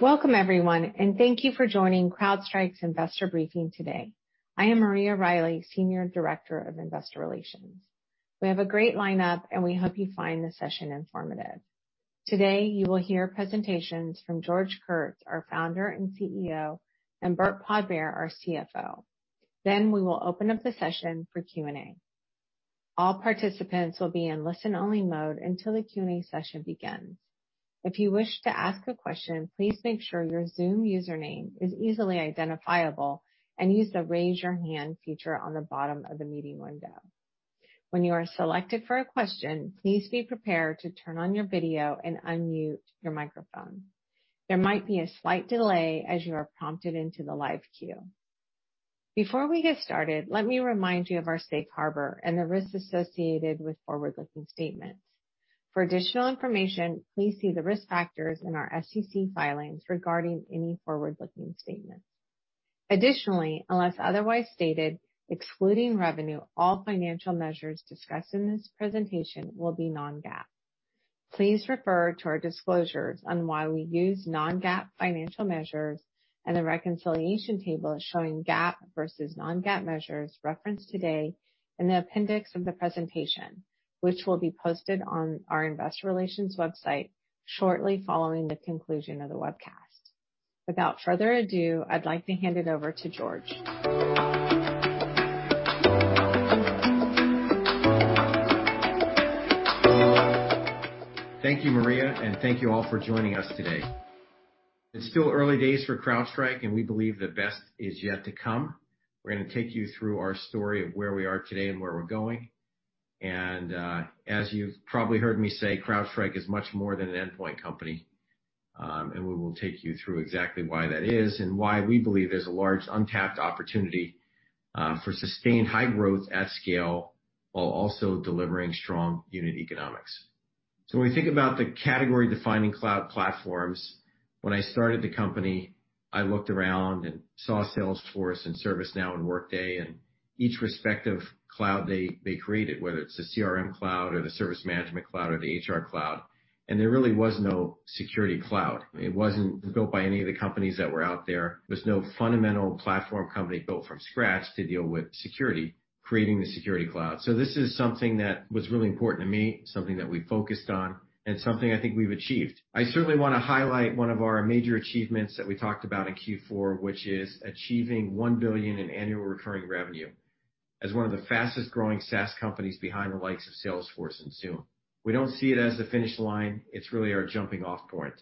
Welcome, everyone, thank you for joining CrowdStrike's Investor Briefing today. I am Maria Riley, Senior Director of Investor Relations. We have a great lineup, and we hope you find this session informative. Today, you will hear presentations from George Kurtz, our founder and CEO, and Burt Podbere, our CFO. We will open up the session for Q&A. All participants will be in listen-only mode until the Q&A session begins. If you wish to ask a question, please make sure your Zoom username is easily identifiable and use the raise your hand feature on the bottom of the meeting window. When you are selected for a question, please be prepared to turn on your video and unmute your microphone. There might be a slight delay as you are prompted into the live queue. Before we get started, let me remind you of our safe harbor and the risks associated with forward-looking statements. For additional information, please see the risk factors in our SEC filings regarding any forward-looking statements. Additionally, unless otherwise stated, excluding revenue, all financial measures discussed in this presentation will be non-GAAP. Please refer to our disclosures on why we use non-GAAP financial measures and the reconciliation table showing GAAP versus non-GAAP measures referenced today in the appendix of the presentation, which will be posted on our investor relations website shortly following the conclusion of the webcast. Without further ado, I'd like to hand it over to George. Thank you, Maria, and thank you all for joining us today. It's still early days for CrowdStrike, and we believe the best is yet to come. We're going to take you through our story of where we are today and where we're going. As you've probably heard me say, CrowdStrike is much more than an endpoint company, and we will take you through exactly why that is and why we believe there's a large untapped opportunity for sustained high growth at scale, while also delivering strong unit economics. When we think about the category-defining cloud platforms, when I started the company, I looked around and saw Salesforce and ServiceNow and Workday and each respective cloud they created, whether it's a CRM cloud or the service management cloud or the HR cloud. There really was no security cloud. It wasn't built by any of the companies that were out there. There was no fundamental platform company built from scratch to deal with security, creating the security cloud. This is something that was really important to me, something that we focused on, and something I think we've achieved. I certainly want to highlight one of our major achievements that we talked about in Q4, which is achieving $1 billion in annual recurring revenue as one of the fastest growing SaaS companies behind the likes of Salesforce and Zoom. We don't see it as the finish line. It's really our jumping-off point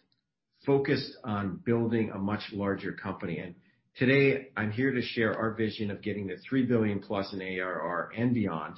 focused on building a much larger company. Today I'm here to share our vision of getting to $3 billion+ in ARR and beyond.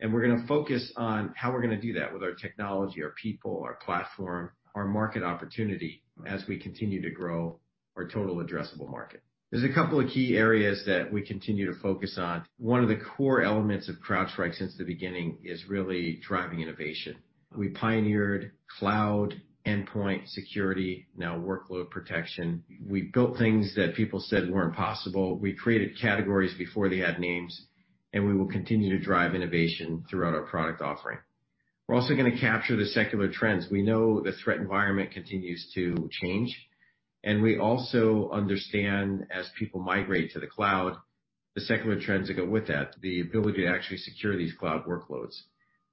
We're going to focus on how we're going to do that with our technology, our people, our platform, our market opportunity as we continue to grow our total addressable market. There's a couple of key areas that we continue to focus on. One of the core elements of CrowdStrike since the beginning is really driving innovation. We pioneered cloud endpoint security, now workload protection. We built things that people said were impossible. We created categories before they had names, and we will continue to drive innovation throughout our product offering. We're also going to capture the secular trends. We know the threat environment continues to change, and we also understand as people migrate to the cloud, the secular trends that go with that, the ability to actually secure these cloud workloads.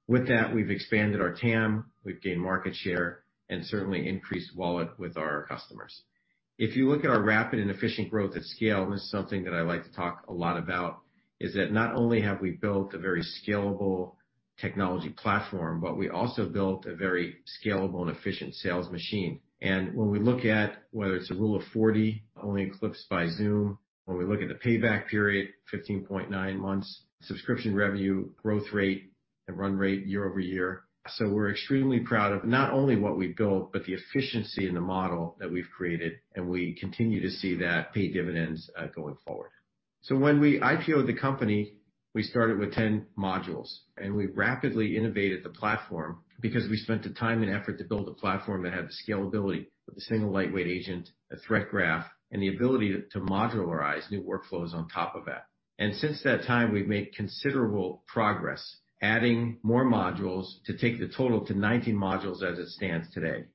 With that, we've expanded our TAM, we've gained market share, and certainly increased wallet with our customers. If you look at our rapid and efficient growth at scale, and this is something that I like to talk a lot about, is that not only have we built a very scalable technology platform, but we also built a very scalable and efficient sales machine. When we look at whether it's a rule of 40, only eclipsed by Zoom, when we look at the payback period, 15.9 months, subscription revenue growth rate and run rate year over year. We're extremely proud of not only what we've built, but the efficiency in the model that we've created, and we continue to see that pay dividends going forward. When we IPO'd the company, we started with 10 modules, and we rapidly innovated the platform because we spent the time and effort to build a platform that had the scalability of a single lightweight agent, a threat graph, and the ability to modularize new workflows on top of that. Since that time, we've made considerable progress, adding more modules to take the total to 19 modules as it stands today.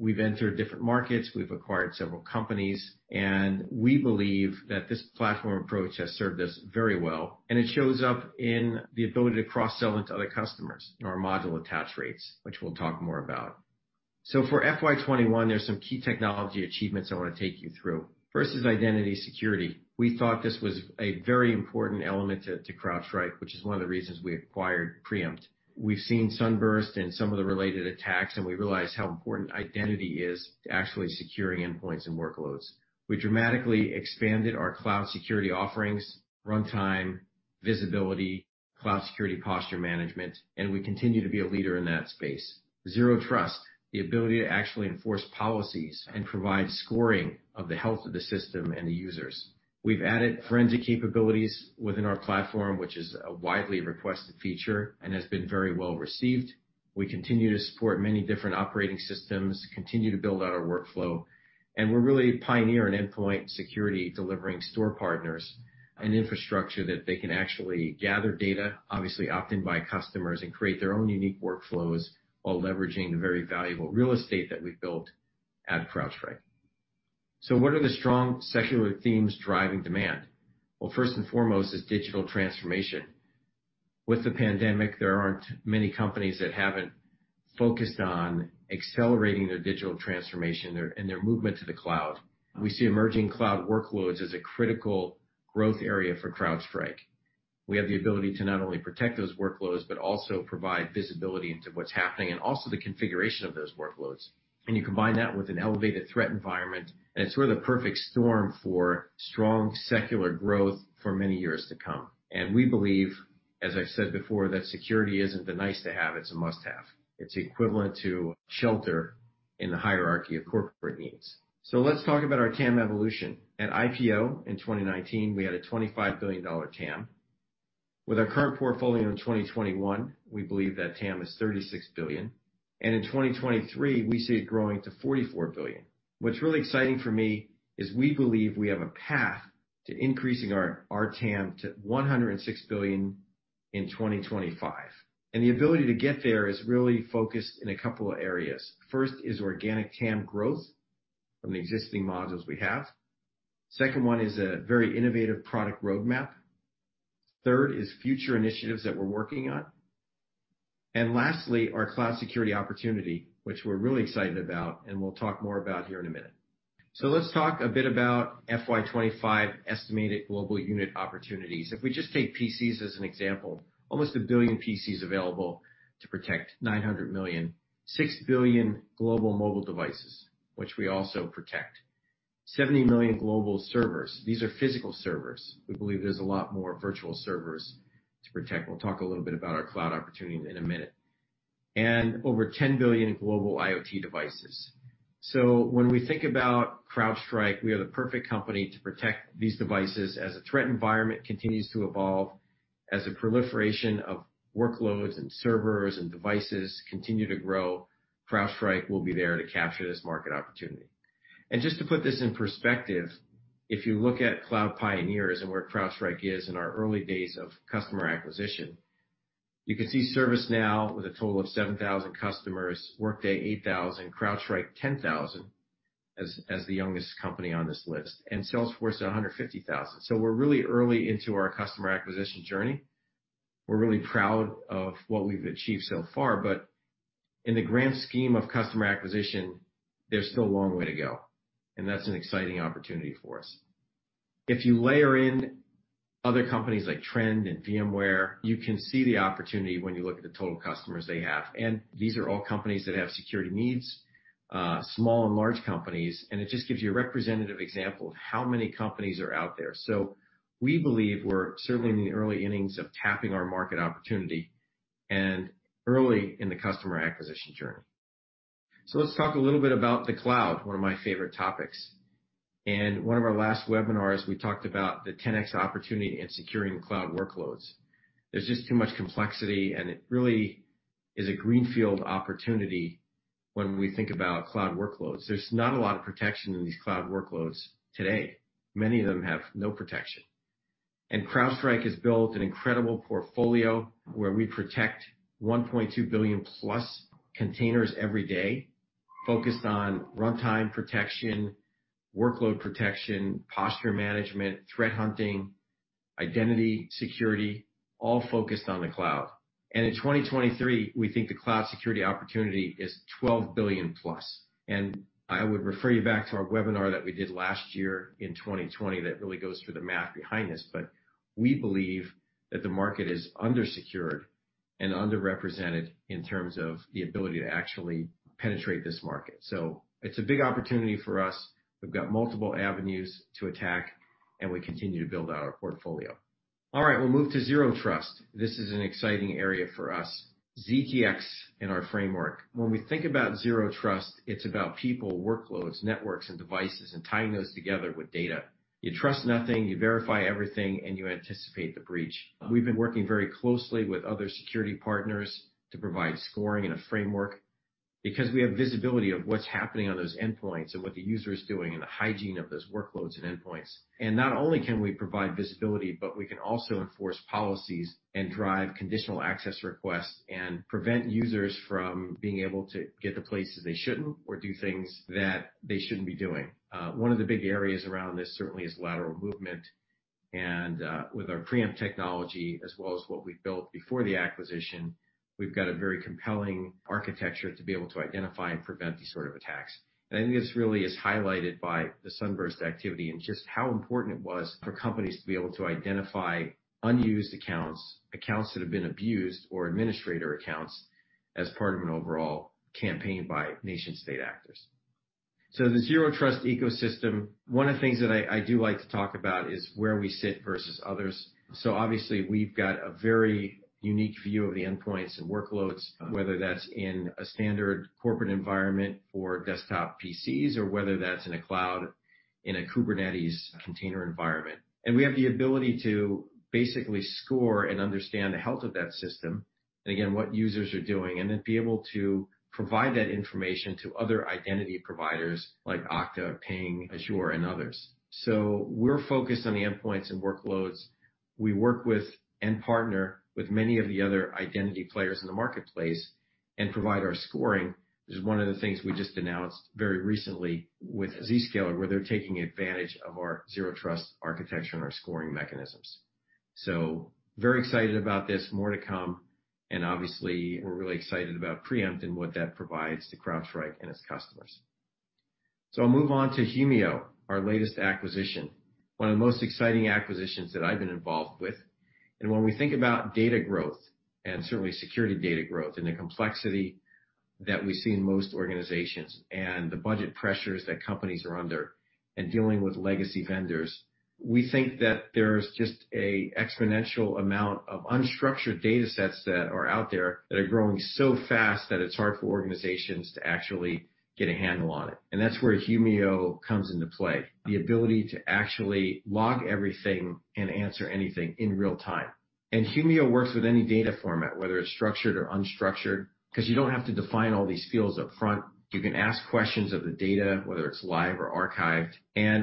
We've entered different markets, we've acquired several companies, and we believe that this platform approach has served us very well, and it shows up in the ability to cross-sell into other customers in our module attach rates, which we'll talk more about. For FY 2021, there's some key technology achievements I want to take you through. First is identity security. We thought this was a very important element to CrowdStrike, which is one of the reasons we acquired Preempt. We've seen Sunburst and some of the related attacks, and we realized how important identity is to actually securing endpoints and workloads. We dramatically expanded our cloud security offerings, runtime, visibility, Cloud Security Posture Management, and we continue to be a leader in that space. Zero Trust, the ability to actually enforce policies and provide scoring of the health of the system and the users. We've added forensic capabilities within our platform, which is a widely requested feature and has been very well received. We continue to support many different operating systems, continue to build out our workflow, we're really a pioneer in endpoint security, delivering store partners an infrastructure that they can actually gather data, obviously opt-in by customers and create their own unique workflows while leveraging the very valuable real estate that we've built at CrowdStrike. What are the strong secular themes driving demand? Well, first and foremost is digital transformation. With the pandemic, there aren't many companies that haven't focused on accelerating their digital transformation and their movement to the cloud. We see emerging cloud workloads as a critical growth area for CrowdStrike. We have the ability to not only protect those workloads, but also provide visibility into what's happening, and also the configuration of those workloads. You combine that with an elevated threat environment, and it's really the perfect storm for strong secular growth for many years to come. We believe, as I've said before, that security isn't a nice to have, it's a must-have. It's equivalent to shelter in the hierarchy of corporate needs. Let's talk about our TAM evolution. At IPO in 2019, we had a $25 billion TAM. With our current portfolio in 2021, we believe that TAM is $36 billion, and in 2023, we see it growing to $44 billion. What's really exciting for me is we believe we have a path to increasing our TAM to $106 billion in 2025. The ability to get there is really focused in a couple of areas. First is organic TAM growth from the existing modules we have. Second one is a very innovative product roadmap. Third is future initiatives that we're working on. Lastly, our cloud security opportunity, which we're really excited about, and we'll talk more about here in a minute. Let's talk a bit about FY 2025 estimated global unit opportunities. If we just take PCs as an example, almost 1 billion PCs available to protect, 900 million. 6 billion global mobile devices, which we also protect. 70 million global servers. These are physical servers. We believe there's a lot more virtual servers to protect. We'll talk a little bit about our cloud opportunity in a minute. Over 10 billion global IoT devices. When we think about CrowdStrike, we are the perfect company to protect these devices as the threat environment continues to evolve, as the proliferation of workloads and servers and devices continue to grow, CrowdStrike will be there to capture this market opportunity. Just to put this in perspective, if you look at cloud pioneers and where CrowdStrike is in our early days of customer acquisition, you can see ServiceNow with a total of 7,000 customers, Workday 8,000, CrowdStrike 10,000, as the youngest company on this list, and Salesforce at 150,000. We're really early into our customer acquisition journey. We're really proud of what we've achieved so far, but in the grand scheme of customer acquisition, there's still a long way to go, and that's an exciting opportunity for us. If you layer in other companies like Trend and VMware, you can see the opportunity when you look at the total customers they have. These are all companies that have security needs, small and large companies, and it just gives you a representative example of how many companies are out there. We believe we're certainly in the early innings of tapping our market opportunity and early in the customer acquisition journey. Let's talk a little bit about the cloud, one of my favorite topics. In one of our last webinars, we talked about the 10x opportunity in securing cloud workloads. There's just too much complexity, and it really is a greenfield opportunity when we think about cloud workloads. There's not a lot of protection in these cloud workloads today. Many of them have no protection. CrowdStrike has built an incredible portfolio where we protect 1.2 billion+ containers every day, focused on runtime protection, workload protection, posture management, threat hunting, identity, security, all focused on the cloud. In 2023, we think the cloud security opportunity is $12 billion+. I would refer you back to our webinar that we did last year in 2020 that really goes through the math behind this, but we believe that the market is undersecured and underrepresented in terms of the ability to actually penetrate this market. It's a big opportunity for us. We've got multiple avenues to attack, and we continue to build out our portfolio. All right, we'll move to Zero Trust. This is an exciting area for us. ZTX in our framework. When we think about Zero Trust, it's about people, workloads, networks, and devices, and tying those together with data. You trust nothing, you verify everything, and you anticipate the breach. We've been working very closely with other security partners to provide scoring and a framework, because we have visibility of what's happening on those endpoints and what the user is doing and the hygiene of those workloads and endpoints. Not only can we provide visibility, but we can also enforce policies and drive conditional access requests and prevent users from being able to get to places they shouldn't or do things that they shouldn't be doing. One of the big areas around this certainly is lateral movement, and with our Preempt technology as well as what we built before the acquisition, we've got a very compelling architecture to be able to identify and prevent these sort of attacks. I think this really is highlighted by the Sunburst activity and just how important it was for companies to be able to identify unused accounts that have been abused, or administrator accounts as part of an overall campaign by nation-state actors. The Zero Trust ecosystem, one of the things that I do like to talk about is where we sit versus others. Obviously, we've got a very unique view of the endpoints and workloads, whether that's in a standard corporate environment for desktop PCs or whether that's in a cloud in a Kubernetes container environment. We have the ability to basically score and understand the health of that system, and again, what users are doing, and then be able to provide that information to other identity providers like Okta, Ping, Azure, and others. We're focused on the endpoints and workloads. We work with and partner with many of the other identity players in the marketplace and provide our scoring. It's one of the things we just announced very recently with Zscaler, where they're taking advantage of our Zero Trust architecture and our scoring mechanisms. Very excited about this, more to come, and obviously, we're really excited about Preempt and what that provides to CrowdStrike and its customers. I'll move on to Humio, our latest acquisition, one of the most exciting acquisitions that I've been involved with. When we think about data growth, and certainly security data growth, and the complexity that we see in most organizations and the budget pressures that companies are under and dealing with legacy vendors, we think that there's just an exponential amount of unstructured data sets that are out there that are growing so fast that it's hard for organizations to actually get a handle on it. That's where Humio comes into play, the ability to actually log everything and answer anything in real time. Humio works with any data format, whether it's structured or unstructured, because you don't have to define all these fields up front. You can ask questions of the data, whether it's live or archived.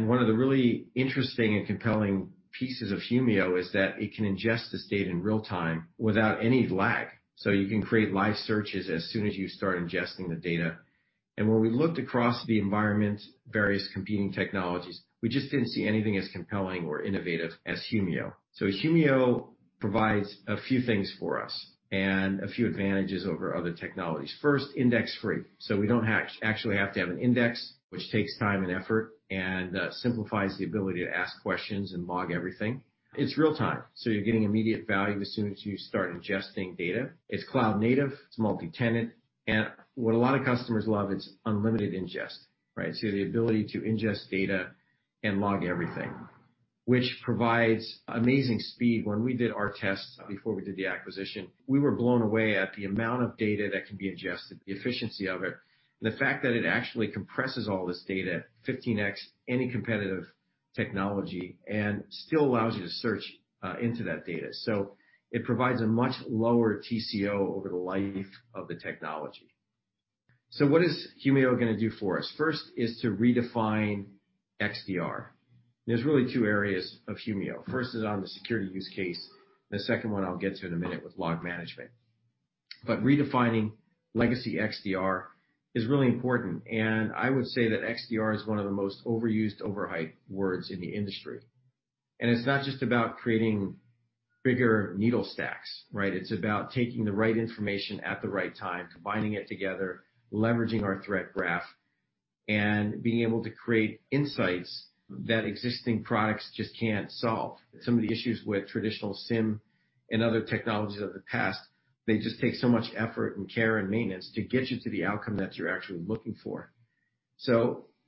One of the really interesting and compelling pieces of Humio is that it can ingest this data in real time without any lag. You can create live searches as soon as you start ingesting the data. When we looked across the environment, various competing technologies, we just didn't see anything as compelling or innovative as Humio. Humio provides a few things for us and a few advantages over other technologies. First, index free. We don't actually have to have an index, which takes time and effort and simplifies the ability to ask questions and log everything. It's real time, so you're getting immediate value as soon as you start ingesting data. It's cloud native, it's multi-tenant, and what a lot of customers love, it's unlimited ingest, right? The ability to ingest data and log everything, which provides amazing speed. When we did our tests before we did the acquisition, we were blown away at the amount of data that can be ingested, the efficiency of it, and the fact that it actually compresses all this data 15x any competitive technology and still allows you to search into that data. It provides a much lower TCO over the life of the technology. What is Humio going to do for us? First is to redefine XDR. There's really two areas of Humio. First is on the security use case, the second one I'll get to in a minute with log management. Redefining legacy XDR is really important. I would say that XDR is one of the most overused, overhyped words in the industry. It's not just about creating bigger needle stacks, right? It's about taking the right information at the right time, combining it together, leveraging our threat graph, and being able to create insights that existing products just can't solve. Some of the issues with traditional SIEM and other technologies of the past, they just take so much effort and care and maintenance to get you to the outcome that you're actually looking for.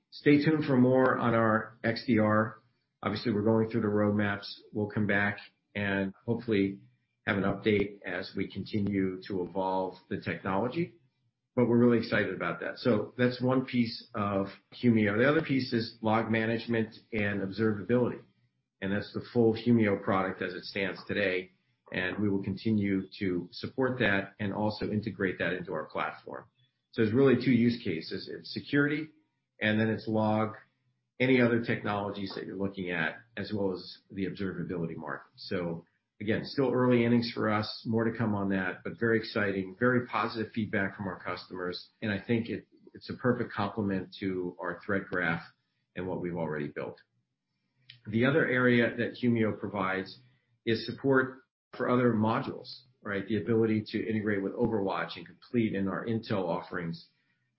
Stay tuned for more on our XDR. We're going through the roadmaps. We'll come back and hopefully have an update as we continue to evolve the technology, but we're really excited about that. That's one piece of Humio. The other piece is log management and observability, and that's the full Humio product as it stands today, and we will continue to support that and also integrate that into our platform. There's really two use cases. It's security, and then it's log, any other technologies that you're looking at, as well as the observability market. Again, still early innings for us, more to come on that, but very exciting, very positive feedback from our customers, and I think it's a perfect complement to our Threat Graph and what we've already built. The other area that Humio provides is support for other modules, right? The ability to integrate with OverWatch and Complete in our intel offerings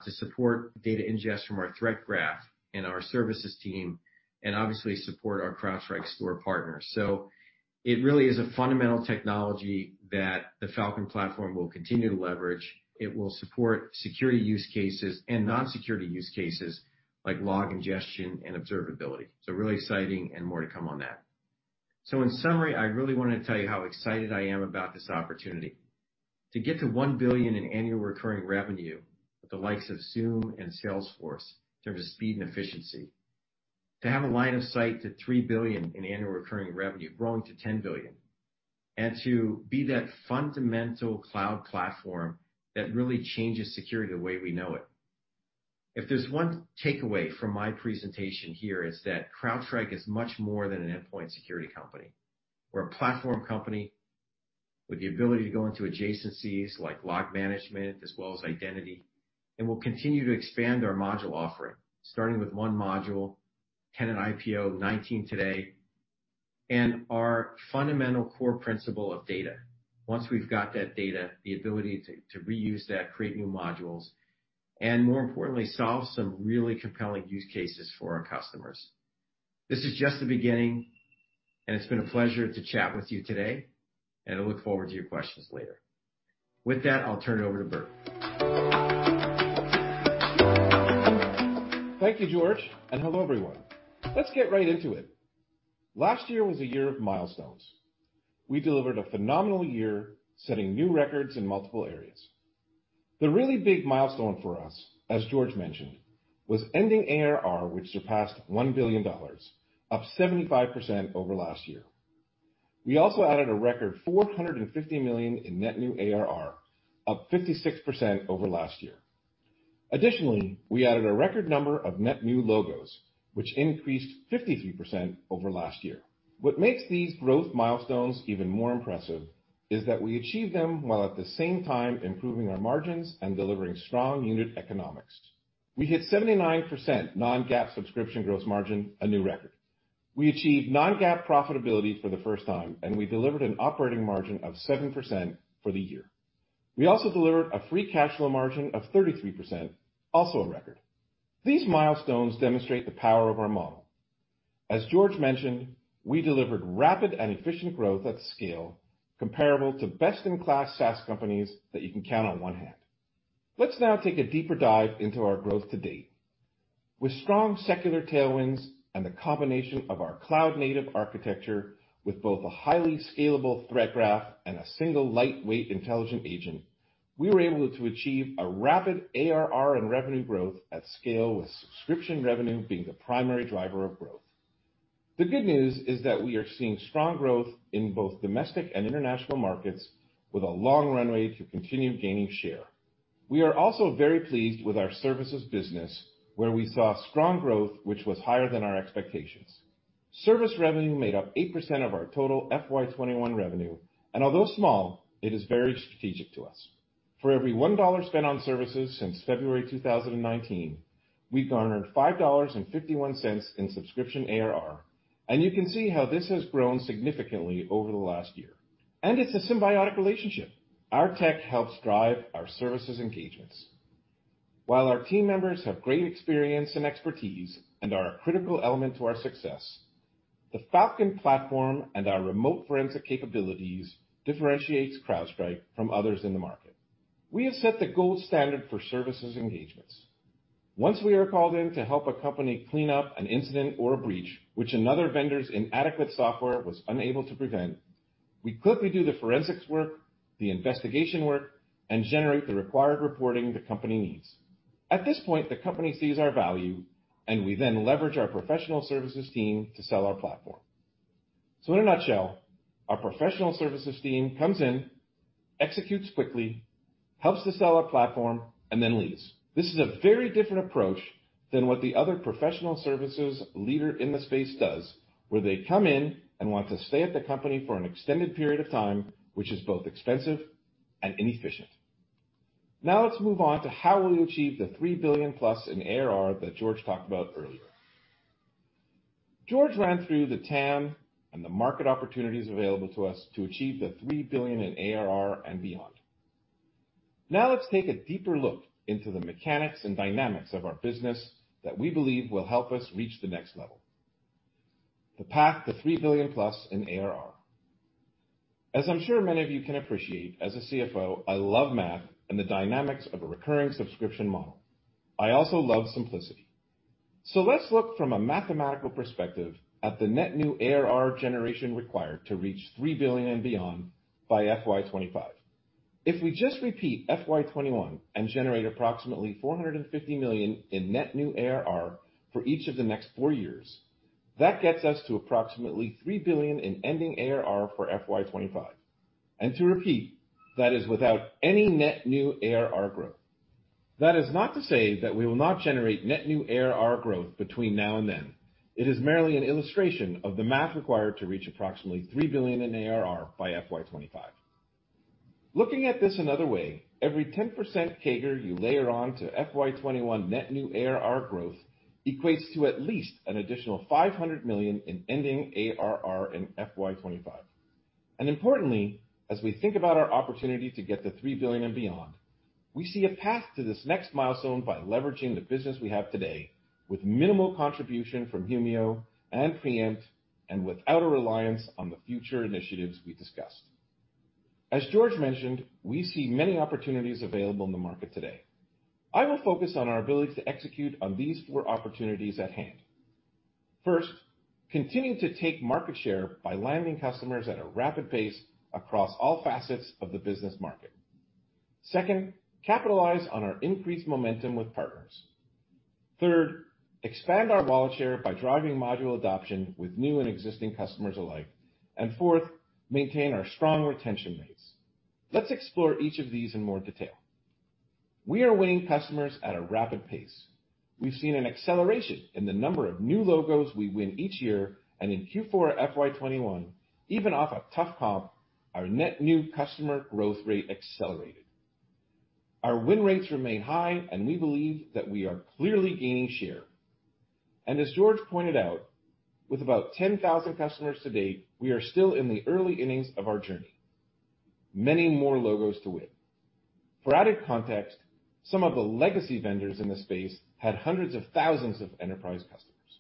to support data ingest from our Threat Graph and our services team, and obviously support our CrowdStrike score partners. It really is a fundamental technology that the Falcon platform will continue to leverage. It will support security use cases and non-security use cases like log ingestion and observability. Really exciting and more to come on that. In summary, I really want to tell you how excited I am about this opportunity. To get to $1 billion in annual recurring revenue with the likes of Zoom and Salesforce in terms of speed and efficiency, to have a line of sight to $3 billion in annual recurring revenue, growing to $10 billion, and to be that fundamental cloud platform that really changes security the way we know it. If there's one takeaway from my presentation here, it's that CrowdStrike is much more than an endpoint security company. We're a platform company with the ability to go into adjacencies like log management as well as identity, and we'll continue to expand our module offering, starting with one module, 10 at IPO, 19 today, and our fundamental core principle of data. Once we've got that data, the ability to reuse that, create new modules, and more importantly, solve some really compelling use cases for our customers. This is just the beginning, and it's been a pleasure to chat with you today, and I look forward to your questions later. With that, I'll turn it over to Burt. Thank you, George, and hello, everyone. Let's get right into it. Last year was a year of milestones. We delivered a phenomenal year, setting new records in multiple areas. The really big milestone for us, as George mentioned, was ending ARR, which surpassed $1 billion, up 75% over last year. We also added a record $450 million in net new ARR, up 56% over last year. Additionally, we added a record number of net new logos, which increased 53% over last year. What makes these growth milestones even more impressive is that we achieve them while at the same time improving our margins and delivering strong unit economics. We hit 79% non-GAAP subscription gross margin, a new record. We achieved non-GAAP profitability for the first time, and we delivered an operating margin of 7% for the year. We also delivered a free cash flow margin of 33%, also a record. These milestones demonstrate the power of our model. As George mentioned, we delivered rapid and efficient growth at scale comparable to best-in-class SaaS companies that you can count on one hand. Let's now take a deeper dive into our growth to date. With strong secular tailwinds and the combination of our cloud-native architecture, with both a highly scalable threat graph and a single lightweight intelligent agent, we were able to achieve a rapid ARR and revenue growth at scale, with subscription revenue being the primary driver of growth. The good news is that we are seeing strong growth in both domestic and international markets with a long runway to continue gaining share. We are also very pleased with our services business, where we saw strong growth, which was higher than our expectations. Service revenue made up 8% of our total FY 2021 revenue, although small, it is very strategic to us. For every $1 spent on services since February 2019, we garnered $5.51 in subscription ARR, you can see how this has grown significantly over the last year. It's a symbiotic relationship. Our tech helps drive our services engagements. While our team members have great experience and expertise and are a critical element to our success, the Falcon platform and our remote forensic capabilities differentiates CrowdStrike from others in the market. We have set the gold standard for services engagements. Once we are called in to help a company clean up an incident or a breach, which another vendor's inadequate software was unable to prevent, we quickly do the forensics work, the investigation work, and generate the required reporting the company needs. At this point, the company sees our value, and we then leverage our professional services team to sell our platform. In a nutshell, our professional services team comes in, executes quickly, helps to sell our platform, and then leaves. This is a very different approach than what the other professional services leader in the space does, where they come in and want to stay at the company for an extended period of time, which is both expensive and inefficient. Let's move on to how we achieve the $3 billion+ in ARR that George talked about earlier. George ran through the TAM and the market opportunities available to us to achieve the $3 billion in ARR and beyond. Let's take a deeper look into the mechanics and dynamics of our business that we believe will help us reach the next level. The path to $3 billion+ in ARR. As I'm sure many of you can appreciate, as a CFO, I love math and the dynamics of a recurring subscription model. I also love simplicity. Let's look from a mathematical perspective at the net new ARR generation required to reach $3 billion and beyond by FY 2025. If we just repeat FY 2021 and generate approximately $450 million in net new ARR for each of the next four years, that gets us to approximately $3 billion in ending ARR for FY 2025. To repeat, that is without any net new ARR growth. That is not to say that we will not generate net new ARR growth between now and then. It is merely an illustration of the math required to reach approximately $3 billion in ARR by FY 2025. Looking at this another way, every 10% CAGR you layer on to FY 2021 net new ARR growth equates to at least an additional $500 million in ending ARR in FY 2025. Importantly, as we think about our opportunity to get to $3 billion and beyond, we see a path to this next milestone by leveraging the business we have today with minimal contribution from Humio and Preempt, and without a reliance on the future initiatives we discussed. As George mentioned, we see many opportunities available in the market today. I will focus on our ability to execute on these four opportunities at hand. First, continue to take market share by landing customers at a rapid pace across all facets of the business market. Second, capitalize on our increased momentum with partners. Third, expand our wallet share by driving module adoption with new and existing customers alike. Fourth, maintain our strong retention rates. Let's explore each of these in more detail. We are winning customers at a rapid pace. We've seen an acceleration in the number of new logos we win each year, and in Q4 FY 2021, even off a tough comp, our net new customer growth rate accelerated. Our win rates remain high, and we believe that we are clearly gaining share. As George pointed out, with about 10,000 customers to date, we are still in the early innings of our journey. Many more logos to win. For added context, some of the legacy vendors in the space had hundreds of thousands of enterprise customers.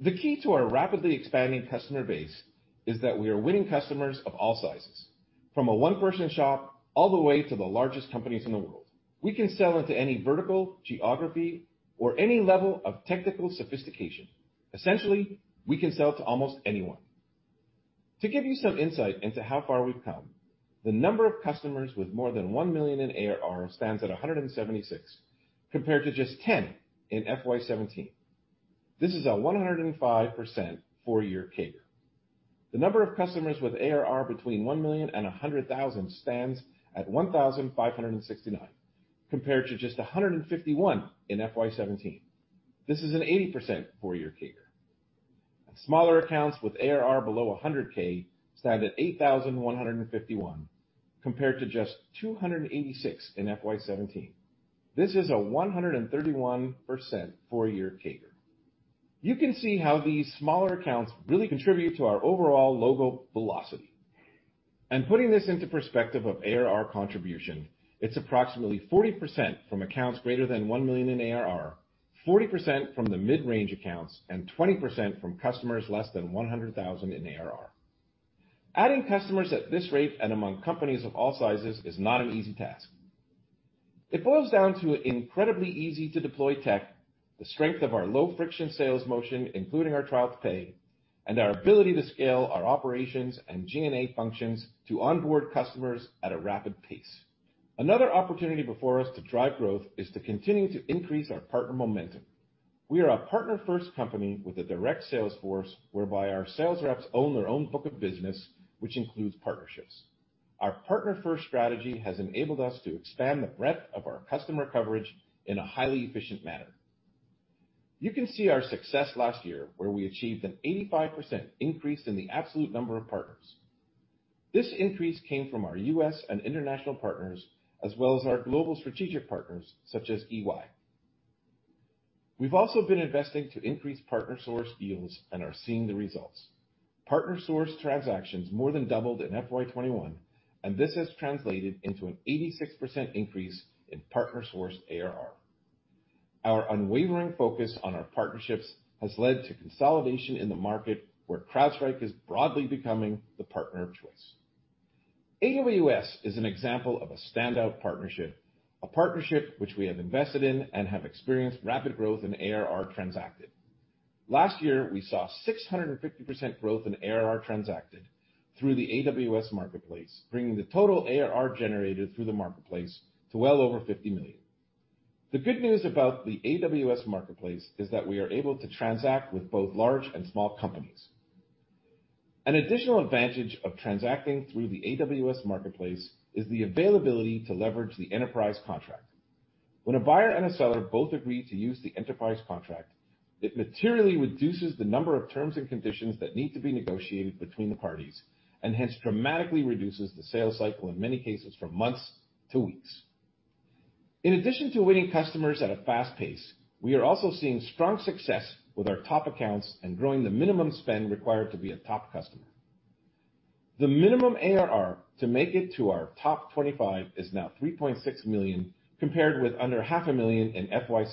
The key to our rapidly expanding customer base is that we are winning customers of all sizes, from a one-person shop all the way to the largest companies in the world. We can sell into any vertical, geography, or any level of technical sophistication. Essentially, we can sell to almost anyone. To give you some insight into how far we've come, the number of customers with more than $1 million in ARR stands at 176, compared to just 10 in FY 2017. This is a 105% four-year CAGR. The number of customers with ARR between $1 million and $100,000 stands at 1,569, compared to just 151 in FY 2017. This is an 80% four-year CAGR. Smaller accounts with ARR below $100,000 stand at 8,151, compared to just 286 in FY 2017. This is a 131% four-year CAGR. You can see how these smaller accounts really contribute to our overall logo velocity. Putting this into perspective of ARR contribution, it's approximately 40% from accounts greater than $1 million in ARR, 40% from the mid-range accounts, and 20% from customers less than $100,000 in ARR. Adding customers at this rate and among companies of all sizes is not an easy task. It boils down to incredibly easy-to-deploy tech, the strength of our low-friction sales motion, including our trial-to-pay, and our ability to scale our operations and G&A functions to onboard customers at a rapid pace. Another opportunity before us to drive growth is to continue to increase our partner momentum. We are a partner-first company with a direct sales force whereby our sales reps own their own book of business, which includes partnerships. Our partner-first strategy has enabled us to expand the breadth of our customer coverage in a highly efficient manner. You can see our success last year, where we achieved an 85% increase in the absolute number of partners. This increase came from our U.S. and international partners, as well as our global strategic partners such as EY. We've also been investing to increase partner source deals and are seeing the results. Partner-sourced transactions more than doubled in FY 2021, and this has translated into an 86% increase in partner-sourced ARR. Our unwavering focus on our partnerships has led to consolidation in the market, where CrowdStrike is broadly becoming the partner of choice. AWS is an example of a standout partnership, a partnership which we have invested in and have experienced rapid growth in ARR transacted. Last year, we saw 650% growth in ARR transacted through the AWS Marketplace, bringing the total ARR generated through the marketplace to well over $50 million. The good news about the AWS Marketplace is that we are able to transact with both large and small companies. An additional advantage of transacting through the AWS Marketplace is the availability to leverage the enterprise contract. When a buyer and a seller both agree to use the enterprise contract, it materially reduces the number of terms and conditions that need to be negotiated between the parties, and hence dramatically reduces the sales cycle in many cases from months to weeks. In addition to winning customers at a fast pace, we are also seeing strong success with our top accounts and growing the minimum spend required to be a top customer. The minimum ARR to make it to our top 25 is now $3.6 million, compared with under $500,000 in FY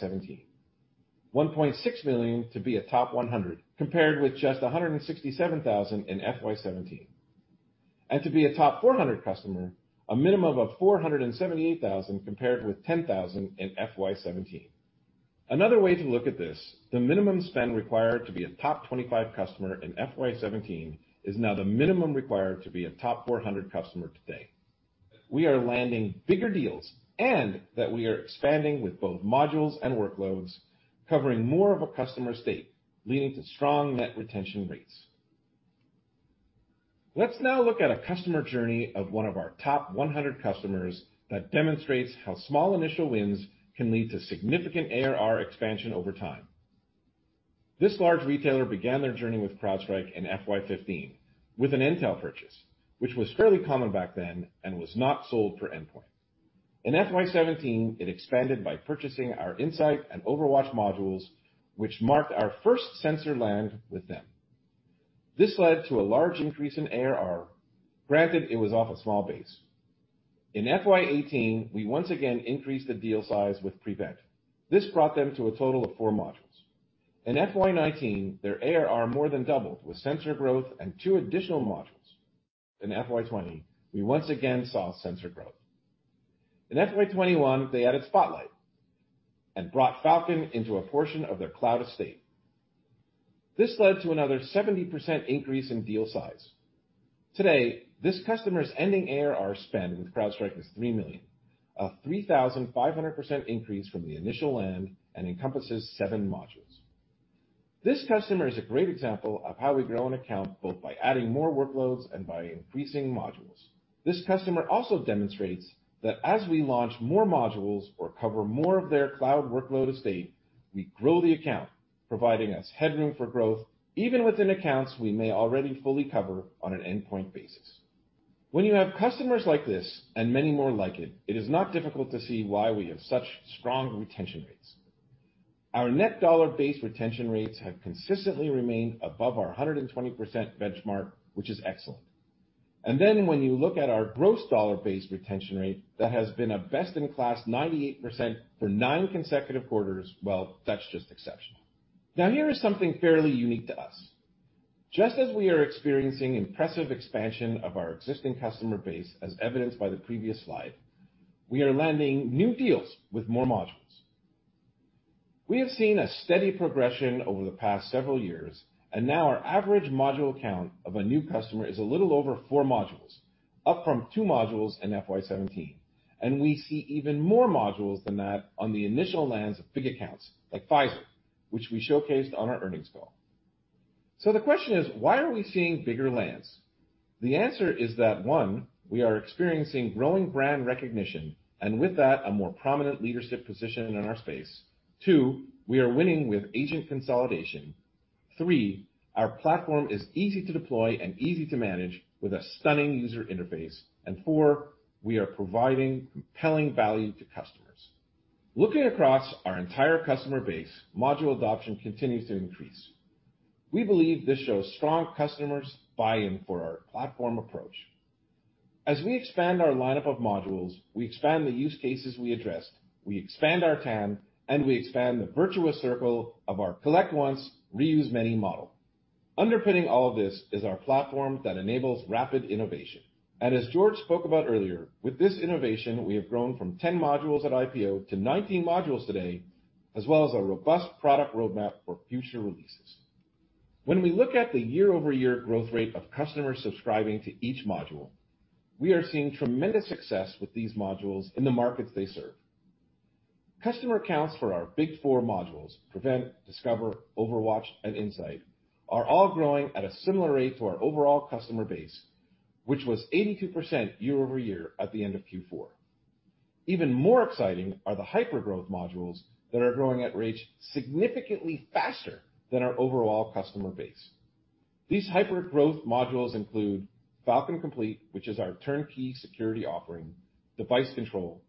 2017, $1.6 million to be a top 100, compared with just $167,000 in FY 2017, and to be a top 400 customer, a minimum of $478,000, compared with $10,000 in FY 2017. Another way to look at this, the minimum spend required to be a top 25 customer in FY 2017 is now the minimum required to be a top 400 customer today. We are landing bigger deals and that we are expanding with both modules and workloads, covering more of a customer estate, leading to strong net retention rates. Let's now look at a customer journey of one of our top 100 customers that demonstrates how small initial wins can lead to significant ARR expansion over time. This large retailer began their journey with CrowdStrike in FY 2015 with a Falcon Intelligence purchase, which was fairly common back then and was not sold for endpoint. In FY 2017, it expanded by purchasing our Falcon Insight and Falcon OverWatch modules, which marked our first sensor land with them. This led to a large increase in ARR, granted it was off a small base. In FY 2018, we once again increased the deal size with Prevent. This brought them to a total of four modules. In FY 2019, their ARR more than doubled with sensor growth and two additional modules. In FY 2020, we once again saw sensor growth. In FY 2021, they added Spotlight and brought Falcon into a portion of their cloud estate. This led to another 70% increase in deal size. Today, this customer's ending ARR spend with CrowdStrike is $3 million, a 3,500% increase from the initial land, and encompasses seven modules. This customer is a great example of how we grow an account both by adding more workloads and by increasing modules. This customer also demonstrates that as we launch more modules or cover more of their cloud workload estate, we grow the account, providing us headroom for growth, even within accounts we may already fully cover on an endpoint basis. When you have customers like this, and many more like it is not difficult to see why we have such strong retention rates. Our net dollar-based retention rates have consistently remained above our 120% benchmark, which is excellent. When you look at our gross dollar-based retention rate, that has been a best-in-class 98% for nine consecutive quarters, well, that's just exceptional. Now here is something fairly unique to us. Just as we are experiencing impressive expansion of our existing customer base, as evidenced by the previous slide, we are landing new deals with more modules. We have seen a steady progression over the past several years, now our average module count of a new customer is a little over four modules. Up from two modules in FY 2017, we see even more modules than that on the initial lands of big accounts like Pfizer, which we showcased on our earnings call. The question is, why are we seeing bigger lands? The answer is that, one, we are experiencing growing brand recognition, with that, a more prominent leadership position in our space. Two, we are winning with agent consolidation. Three, our platform is easy to deploy and easy to manage with a stunning user interface. Four, we are providing compelling value to customers. Looking across our entire customer base, module adoption continues to increase. We believe this shows strong customers' buy-in for our platform approach. As we expand our lineup of modules, we expand the use cases we addressed, we expand our TAM, and we expand the virtuous circle of our collect once, reuse many model. Underpinning all of this is our platform that enables rapid innovation. As George spoke about earlier, with this innovation, we have grown from 10 modules at IPO to 19 modules today, as well as a robust product roadmap for future releases. When we look at the year-over-year growth rate of customers subscribing to each module, we are seeing tremendous success with these modules in the markets they serve. Customer counts for our big 4 modules, Prevent, Discover, OverWatch, and Insight, are all growing at a similar rate to our overall customer base, which was 82% year-over-year at the end of Q4. Even more exciting are the hypergrowth modules that are growing at rates significantly faster than our overall customer base. These hypergrowth modules include Falcon Complete, which is our turnkey security offering, Device Control,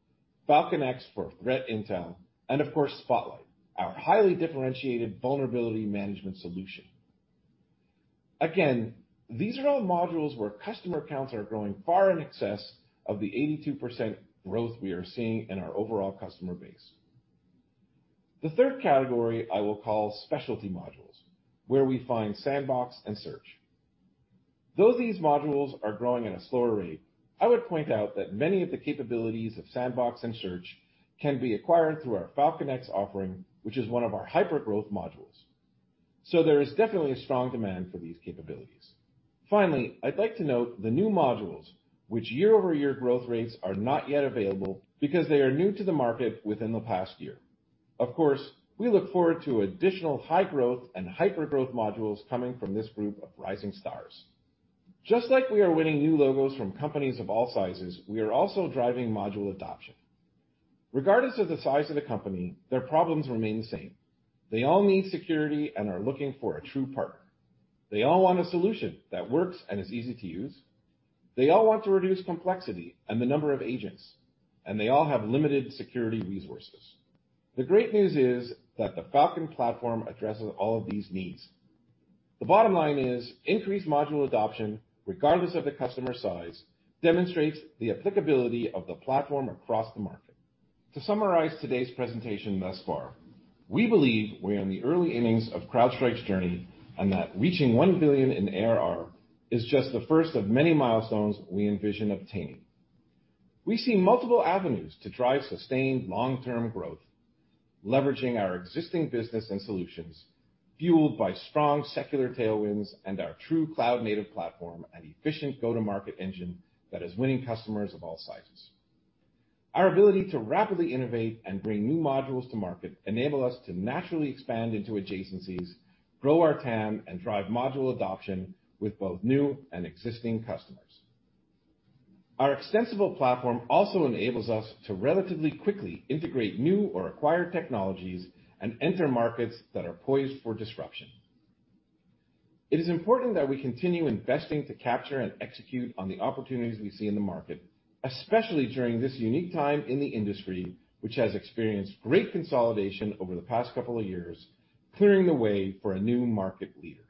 Falcon X for threat intel, and of course, Spotlight, our highly differentiated vulnerability management solution. Again, these are all modules where customer counts are growing far in excess of the 82% growth we are seeing in our overall customer base. The third category I will call specialty modules, where we find Sandbox and MalQuery. Though these modules are growing at a slower rate, I would point out that many of the capabilities of Sandbox and MalQuery can be acquired through our Falcon X offering, which is one of our hypergrowth modules. There is definitely a strong demand for these capabilities. Finally, I'd like to note the new modules, which year-over-year growth rates are not yet available because they are new to the market within the past year. Of course, we look forward to additional high growth and hypergrowth modules coming from this group of rising stars. Just like we are winning new logos from companies of all sizes, we are also driving module adoption. Regardless of the size of the company, their problems remain the same. They all need security and are looking for a true partner. They all want a solution that works and is easy to use. They all want to reduce complexity and the number of agents, and they all have limited security resources. The great news is that the Falcon platform addresses all of these needs. The bottom line is increased module adoption, regardless of the customer size, demonstrates the applicability of the platform across the market. To summarize today's presentation thus far, we believe we are in the early innings of CrowdStrike's journey, and that reaching $1 billion in ARR is just the first of many milestones we envision obtaining. We see multiple avenues to drive sustained long-term growth, leveraging our existing business and solutions, fueled by strong secular tailwinds and our true cloud-native platform and efficient go-to-market engine that is winning customers of all sizes. Our ability to rapidly innovate and bring new modules to market enable us to naturally expand into adjacencies, grow our TAM, and drive module adoption with both new and existing customers. Our extensible platform also enables us to relatively quickly integrate new or acquired technologies and enter markets that are poised for disruption. It is important that we continue investing to capture and execute on the opportunities we see in the market, especially during this unique time in the industry, which has experienced great consolidation over the past couple of years, clearing the way for a new market leader.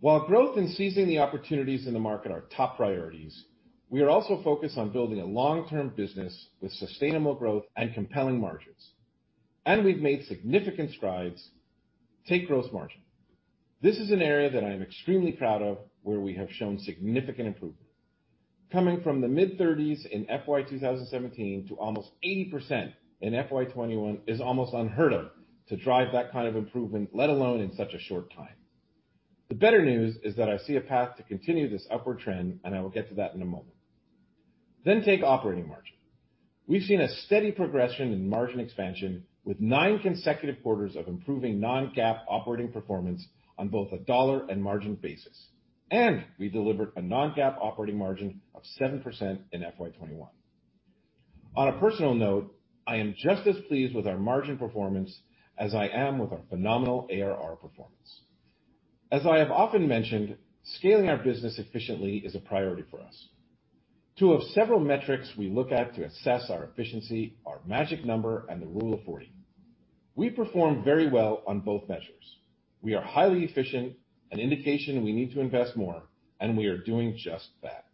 While growth and seizing the opportunities in the market are top priorities, we are also focused on building a long-term business with sustainable growth and compelling margins. We've made significant strides. Take gross margin. This is an area that I am extremely proud of, where we have shown significant improvement. Coming from the mid-30s in FY 2017 to almost 80% in FY 2021 is almost unheard of to drive that kind of improvement, let alone in such a short time. The better news is that I see a path to continue this upward trend, and I will get to that in a moment. Take operating margin. We've seen a steady progression in margin expansion with nine consecutive quarters of improving non-GAAP operating performance on both a dollar and margin basis, and we delivered a non-GAAP operating margin of 7% in FY 2021. On a personal note, I am just as pleased with our margin performance as I am with our phenomenal ARR performance. As I have often mentioned, scaling our business efficiently is a priority for us. Two of several metrics we look at to assess our efficiency are magic number and the rule of 40. We perform very well on both measures. We are highly efficient, an indication we need to invest more, and we are doing just that.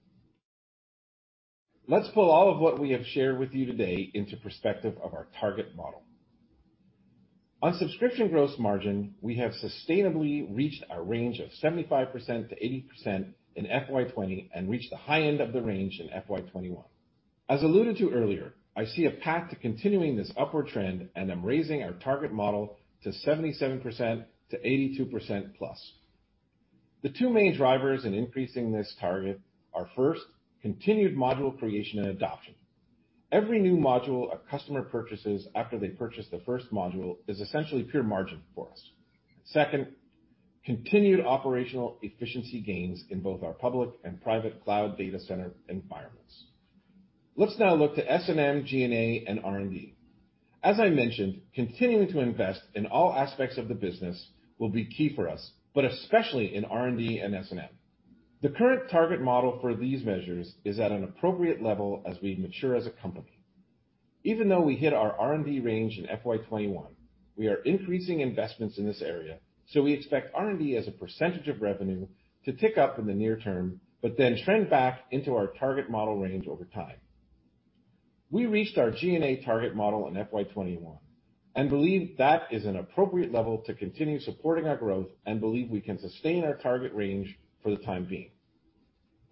Let's pull all of what we have shared with you today into perspective of our target model. On subscription gross margin, we have sustainably reached our range of 75%-80% in FY 2020 and reached the high end of the range in FY 2021. As alluded to earlier, I see a path to continuing this upward trend, I'm raising our target model to 77%-82%+. The two main drivers in increasing this target are, first, continued module creation and adoption. Every new module a customer purchases after they purchase the first module is essentially pure margin for us. Second, continued operational efficiency gains in both our public and private cloud data center environments. Let's now look to S&M, G&A, and R&D. As I mentioned, continuing to invest in all aspects of the business will be key for us, especially in R&D and S&M. The current target model for these measures is at an appropriate level as we mature as a company. Even though we hit our R&D range in FY 2021, we are increasing investments in this area, we expect R&D as a percentage of revenue to tick up in the near term, but then trend back into our target model range over time. We reached our G&A target model in FY 2021 and believe that is an appropriate level to continue supporting our growth and believe we can sustain our target range for the time being.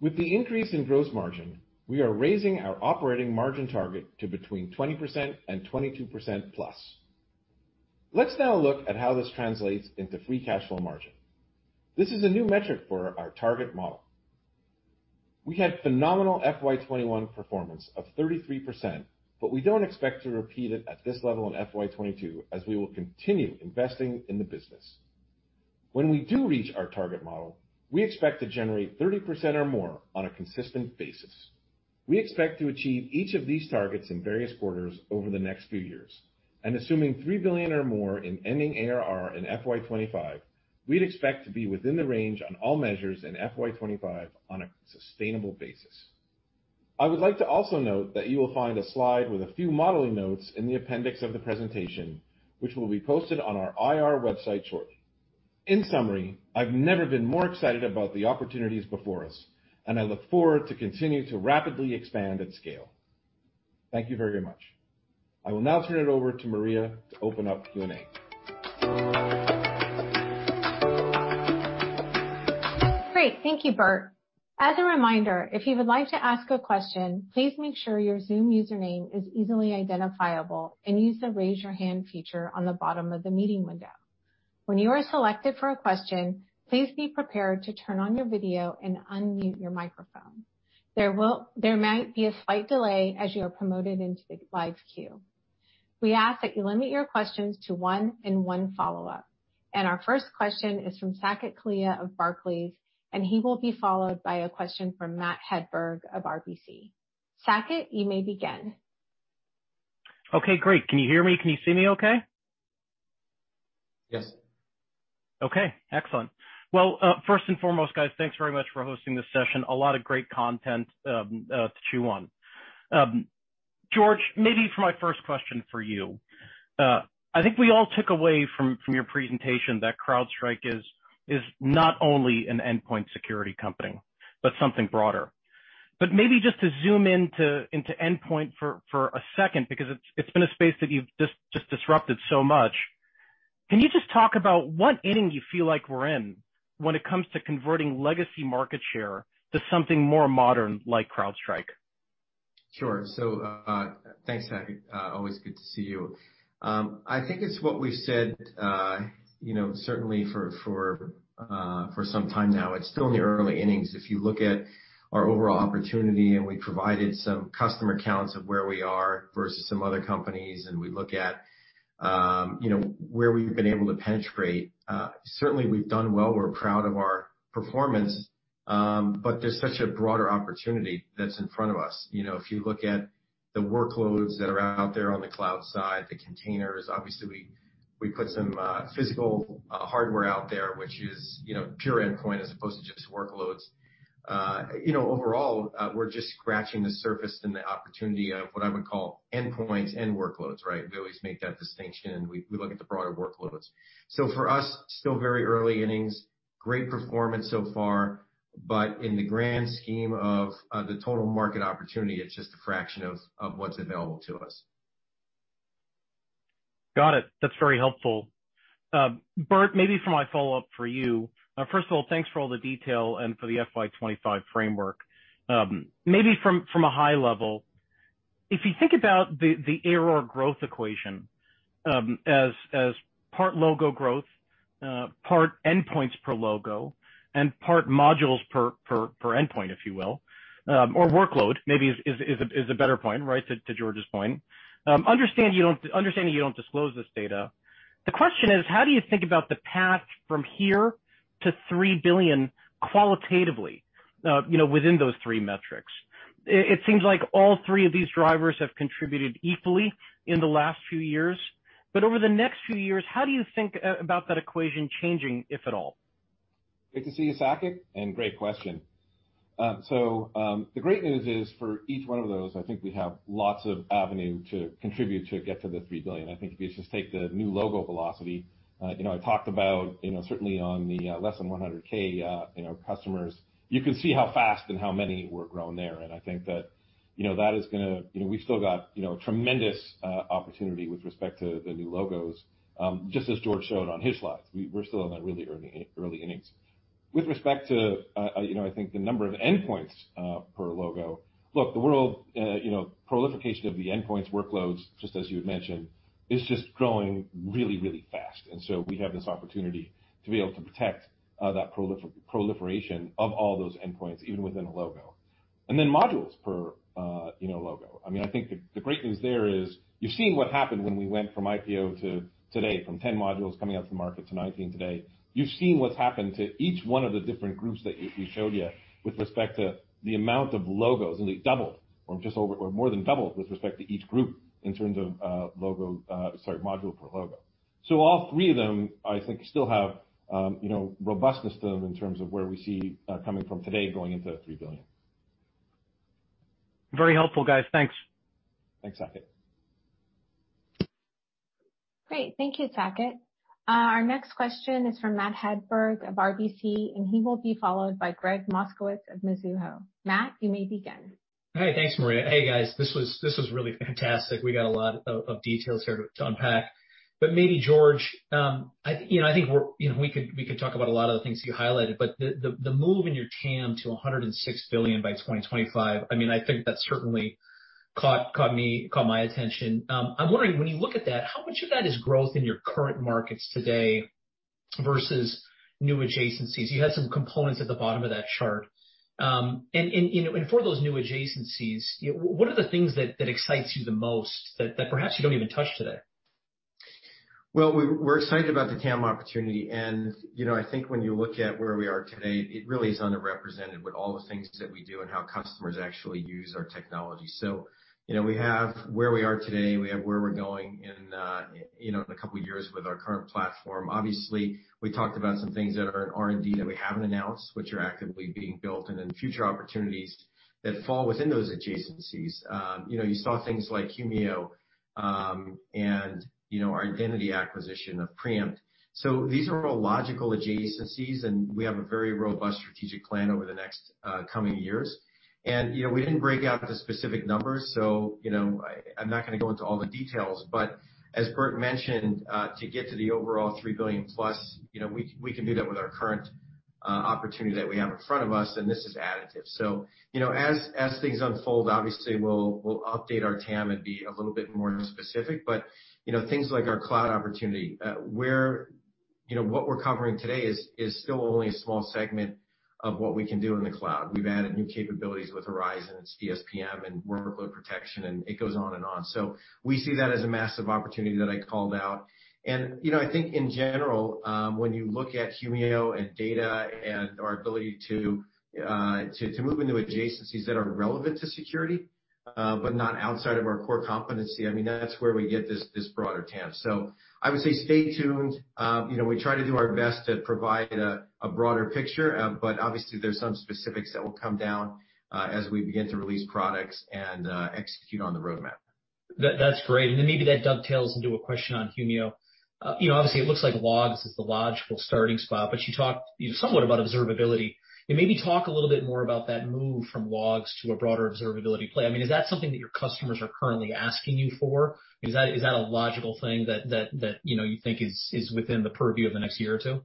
With the increase in gross margin, we are raising our operating margin target to between 20% and 22%+. Let's now look at how this translates into free cash flow margin. This is a new metric for our target model. We had phenomenal FY 2021 performance of 33%, we don't expect to repeat it at this level in FY 2022 as we will continue investing in the business. When we do reach our target model, we expect to generate 30% or more on a consistent basis. We expect to achieve each of these targets in various quarters over the next few years, and assuming $3 billion or more in ending ARR in FY 2025, we'd expect to be within the range on all measures in FY 2025 on a sustainable basis. I would like to also note that you will find a slide with a few modeling notes in the appendix of the presentation, which will be posted on our IR website shortly. In summary, I've never been more excited about the opportunities before us, and I look forward to continue to rapidly expand and scale. Thank you very much. I will now turn it over to Maria to open up Q&A. Great. Thank you, Burt. As a reminder, if you would like to ask a question, please make sure your Zoom username is easily identifiable and use the raise your hand feature on the bottom of the meeting window. When you are selected for a question, please be prepared to turn on your video and unmute your microphone. There might be a slight delay as you are promoted into the live queue. We ask that you limit your questions to one and one follow-up. Our first question is from Saket Kalia of Barclays, and he will be followed by a question from Matt Hedberg of RBC. Saket, you may begin. Okay, great. Can you hear me? Can you see me okay? Yes. Okay, excellent. Well, first and foremost, guys, thanks very much for hosting this session. A lot of great content to chew on. George, maybe for my first question for you, I think we all took away from your presentation that CrowdStrike is not only an endpoint security company, but something broader. Maybe just to zoom into endpoint for a second, because it's been a space that you've just disrupted so much. Can you just talk about what inning you feel like we're in when it comes to converting legacy market share to something more modern like CrowdStrike? Sure. Thanks, Saket. Always good to see you. I think it's what we've said, certainly for some time now. It's still in the early innings. If you look at our overall opportunity, we provided some customer counts of where we are versus some other companies, we look at where we've been able to penetrate. Certainly, we've done well. We're proud of our performance, there's such a broader opportunity that's in front of us. If you look at the workloads that are out there on the cloud side, the containers, obviously, we put some physical hardware out there, which is pure endpoint as opposed to just workloads. Overall, we're just scratching the surface in the opportunity of what I would call endpoints and workloads, right? We always make that distinction, we look at the broader workloads. For us, still very early innings. Great performance so far, but in the grand scheme of the total market opportunity, it's just a fraction of what's available to us. Got it. That's very helpful. Burt, maybe for my follow-up for you. First of all, thanks for all the detail and for the FY 2025 framework. Maybe from a high level, if you think about the ARR growth equation, as part logo growth, part endpoints per logo, and part modules per endpoint, if you will, or workload, maybe is a better point, right, to George's point. Understanding you don't disclose this data, the question is, how do you think about the path from here to $3 billion qualitatively within those three metrics? It seems like all three of these drivers have contributed equally in the last few years. Over the next few years, how do you think about that equation changing, if at all? Great to see you, Saket, great question. The great news is for each one of those, I think we have lots of avenue to contribute to get to the $3 billion. I think if you just take the new logo velocity, I talked about certainly on the less than 100,000 customers, you could see how fast and how many were grown there, and I think that we've still got tremendous opportunity with respect to the new logos. Just as George showed on his slides, we're still in the really early innings. With respect to, I think the number of endpoints per logo. Look, the world, proliferation of the endpoints workloads, just as you had mentioned, is just growing really fast. We have this opportunity to be able to protect that proliferation of all those endpoints, even within a logo. Modules per logo. I think the great news there is you're seeing what happened when we went from IPO to today, from 10 modules coming out to the market to 19 today. You've seen what's happened to each one of the different groups that we showed you with respect to the amount of logos, and they've doubled or more than doubled with respect to each group in terms of module per logo. All three of them, I think, still have robustness to them in terms of where we see coming from today going into 3 billion. Very helpful, guys. Thanks. Thanks, Saket. Great. Thank you, Saket. Our next question is from Matt Hedberg of RBC, and he will be followed by Gregg Moskowitz of Mizuho. Matt, you may begin. Hey, thanks, Maria. Hey, guys. This was really fantastic. We got a lot of details here to unpack. Maybe George, I think we could talk about a lot of the things you highlighted, but the move in your TAM to $106 billion by 2025, I think that certainly caught my attention. I'm wondering, when you look at that, how much of that is growth in your current markets today versus new adjacencies? You had some components at the bottom of that chart. For those new adjacencies, what are the things that excites you the most that perhaps you don't even touch today? Well, we're excited about the TAM opportunity. I think when you look at where we are today, it really is underrepresented with all the things that we do and how customers actually use our technology. We have where we are today, we have where we're going in a couple of years with our current platform. Obviously, we talked about some things that are in R&D that we haven't announced, which are actively being built, then future opportunities that fall within those adjacencies. You saw things like Humio, and our identity acquisition of Preempt. These are all logical adjacencies, and we have a very robust strategic plan over the next coming years. We didn't break out the specific numbers, I'm not going to go into all the details. As Burt mentioned, to get to the overall $3 billion+, we can do that with our current opportunity that we have in front of us. This is additive. As things unfold, obviously, we'll update our TAM and be a little bit more specific. Things like our cloud opportunity, what we're covering today is still only a small segment of what we can do in the cloud. We've added new capabilities with Horizon, CSPM, and workload protection. It goes on and on. We see that as a massive opportunity that I called out. I think in general, when you look at Humio and data and our ability to move into adjacencies that are relevant to security, but not outside of our core competency, that's where we get this broader TAM. I would say stay tuned. We try to do our best to provide a broader picture. Obviously there's some specifics that will come down as we begin to release products and execute on the roadmap. That's great. Then maybe that dovetails into a question on Humio. Obviously it looks like logs is the logical starting spot, but you talked somewhat about observability. Maybe talk a little bit more about that move from logs to a broader observability play. Is that something that your customers are currently asking you for? Is that a logical thing that you think is within the purview of the next year or two?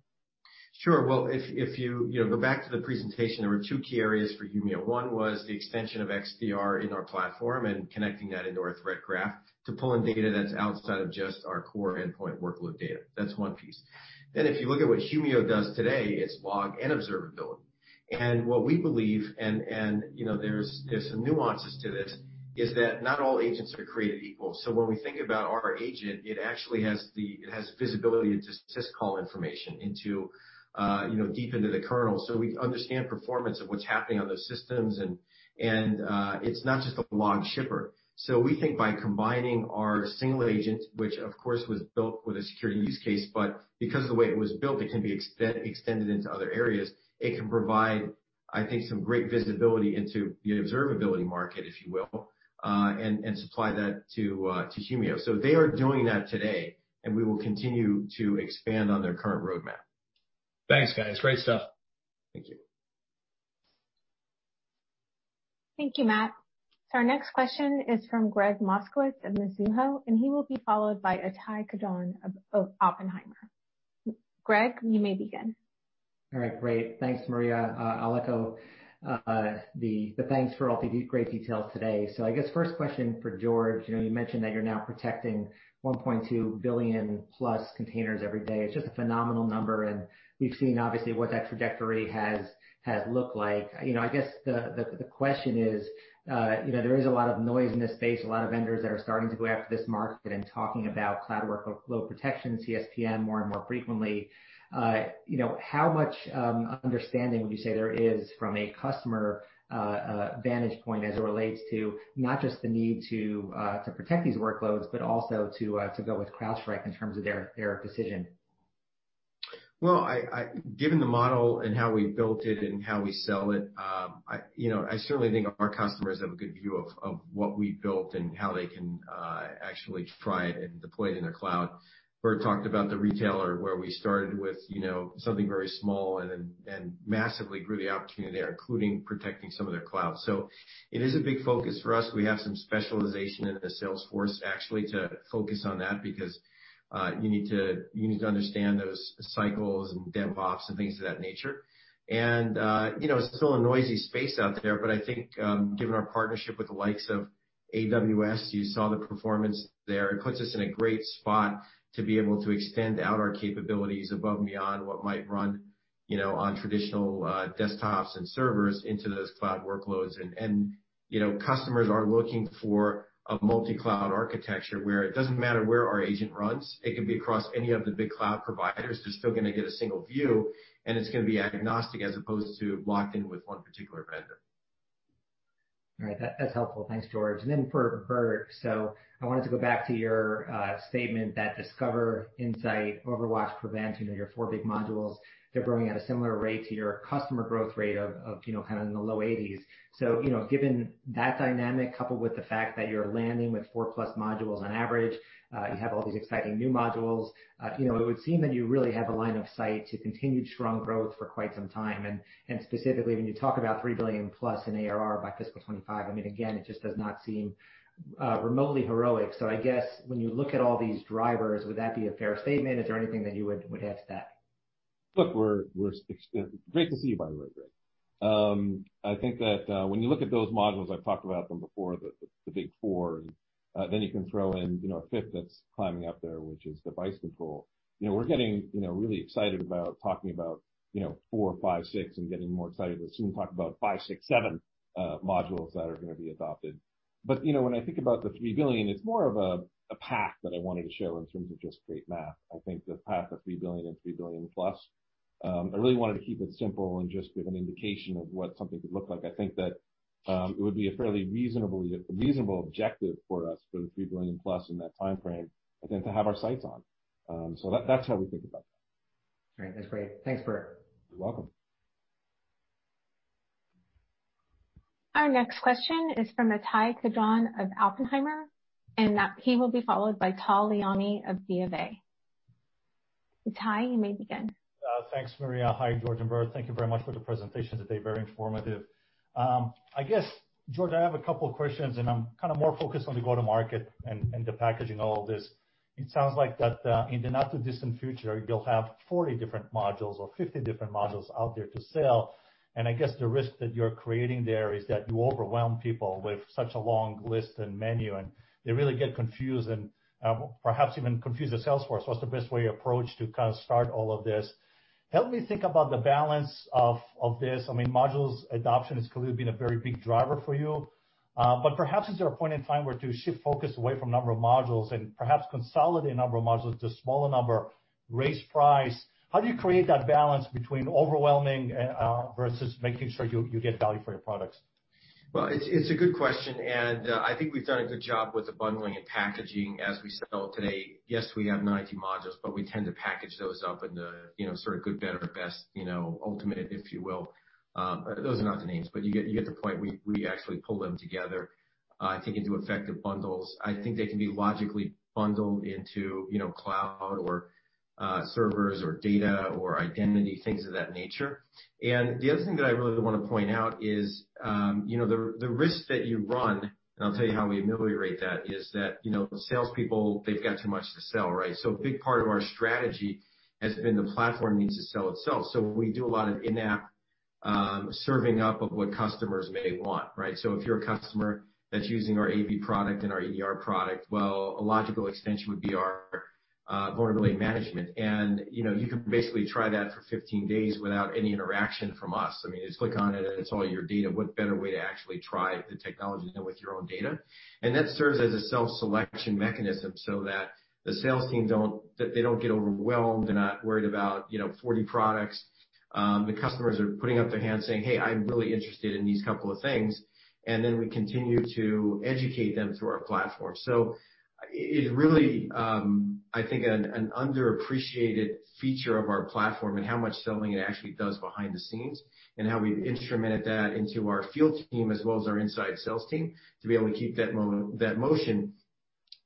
Sure. Well, if you go back to the presentation, there were two key areas for Humio. One was the extension of XDR in our platform and connecting that into our threat graph to pull in data that's outside of just our core endpoint workload data. That's one piece. If you look at what Humio does today, it's log and observability. What we believe, and there's some nuances to this, is that not all agents are created equal. When we think about our agent, it actually has visibility into syscall information deep into the kernel. We understand performance of what's happening on those systems, and it's not just a log shipper. We think by combining our single agent, which of course, was built with a security use case, but because of the way it was built, it can be extended into other areas. It can provide, I think, some great visibility into the observability market, if you will, and supply that to Humio. They are doing that today, and we will continue to expand on their current roadmap. Thanks, guys. Great stuff. Thank you. Thank you, Matt. Our next question is from Gregg Moskowitz of Mizuho, and he will be followed by Ittai Kidron of Oppenheimer. Gregg, you may begin. All right, great. Thanks, Maria. I'll echo the thanks for all the great details today. I guess first question for George, you mentioned that you're now protecting 1.2 billion+containers every day. It's just a phenomenal number, and we've seen obviously what that trajectory has looked like. I guess the question is, there is a lot of noise in this space, a lot of vendors that are starting to go after this market and talking about cloud workload protection, CSPM, more and more frequently. How much understanding would you say there is from a customer vantage point as it relates to not just the need to protect these workloads, but also to go with CrowdStrike in terms of their decision? Given the model and how we built it and how we sell it, I certainly think our customers have a good view of what we've built and how they can actually try it and deploy it in their cloud. Burt talked about the retailer where we started with something very small and then massively grew the opportunity there, including protecting some of their cloud. It is a big focus for us. We have some specialization in the sales force actually to focus on that because you need to understand those cycles and DevOps and things of that nature. It's still a noisy space out there, but I think, given our partnership with the likes of AWS, you saw the performance there. It puts us in a great spot to be able to extend out our capabilities above and beyond what might run on traditional desktops and servers into those cloud workloads. Customers are looking for a multi-cloud architecture where it doesn't matter where our agent runs, it can be across any of the big cloud providers. They're still going to get a single view, and it's going to be agnostic as opposed to locked in with one particular vendor. All right. That's helpful. Thanks, George. For Burt, I wanted to go back to your statement that Discover, Insight, OverWatch, Prevent, your four big modules, they're growing at a similar rate to your customer growth rate of kind of in the low 80s. Given that dynamic, coupled with the fact that you're landing with 4+ modules on average, you have all these exciting new modules. It would seem that you really have a line of sight to continued strong growth for quite some time. Specifically, when you talk about $3 billion+ in ARR by FY 2025, again, it just does not seem remotely heroic. I guess, when you look at all these drivers, would that be a fair statement? Is there anything that you would add to that? Look, great to see you, by the way, Gregg. I think that when you look at those modules, I've talked about them before, the big four, and then you can throw in a fifth that's climbing up there, which is Device Control. We're getting really excited about talking about four, five, six, and getting more excited to soon talk about five, six, seven modules that are going to be adopted. When I think about the $3 billion, it's more of a path that I wanted to show in terms of just straight math. I think the path of $3 billion and $3 billion+, I really wanted to keep it simple and just give an indication of what something could look like. I think that it would be a fairly reasonable objective for us for the $3 billion+ in that timeframe, I think, to have our sights on. That's how we think about that. All right. That's great. Thanks, Burt. You're welcome. Our next question is from Ittai Kidron of Oppenheimer, and he will be followed by Tal Liani of BofA. Ittai, you may begin. Thanks, Maria. Hi, George and Burt. Thank you very much for the presentation today. Very informative. I guess, George, I have a couple of questions, I'm kind of more focused on the go-to-market and the packaging, all of this. It sounds like that in the not too distant future, you'll have 40 different modules or 50 different modules out there to sell. I guess the risk that you're creating there is that you overwhelm people with such a long list and menu, and they really get confused and perhaps even confuse the sales force. What's the best way approach to kind of start all of this? Help me think about the balance of this. Modules adoption has clearly been a very big driver for you. Perhaps, is there a point in time where to shift focus away from number of modules and perhaps consolidate a number of modules to a smaller number, raise price? How do you create that balance between overwhelming versus making sure you get value for your products? Well, it's a good question, and I think we've done a good job with the bundling and packaging as we sell today. Yes, we have 20+ modules, but we tend to package those up into sort of good, better, best, ultimate, if you will. Those are not the names, but you get the point. We actually pull them together, I think, into effective bundles. I think they can be logically bundled into cloud or servers or data or identity, things of that nature. The other thing that I really want to point out is the risk that you run, and I'll tell you how we ameliorate that, is that salespeople, they've got too much to sell, right? A big part of our strategy has been the platform needs to sell itself. We do a lot of in-app serving up of what customers may want, right? If you're a customer that's using our AV and our EDR, well, a logical extension would be our vulnerability management. You can basically try that for 15 days without any interaction from us. Just click on it, and it's all your data. What better way to actually try the technology than with your own data? That serves as a self-selection mechanism so that the sales team, they don't get overwhelmed. They're not worried about 40 products. The customers are putting up their hands saying, "Hey, I'm really interested in these couple of things." We continue to educate them through our platform. It's really, I think, an underappreciated feature of our platform and how much selling it actually does behind the scenes and how we've instrumented that into our field team as well as our inside sales team to be able to keep that motion.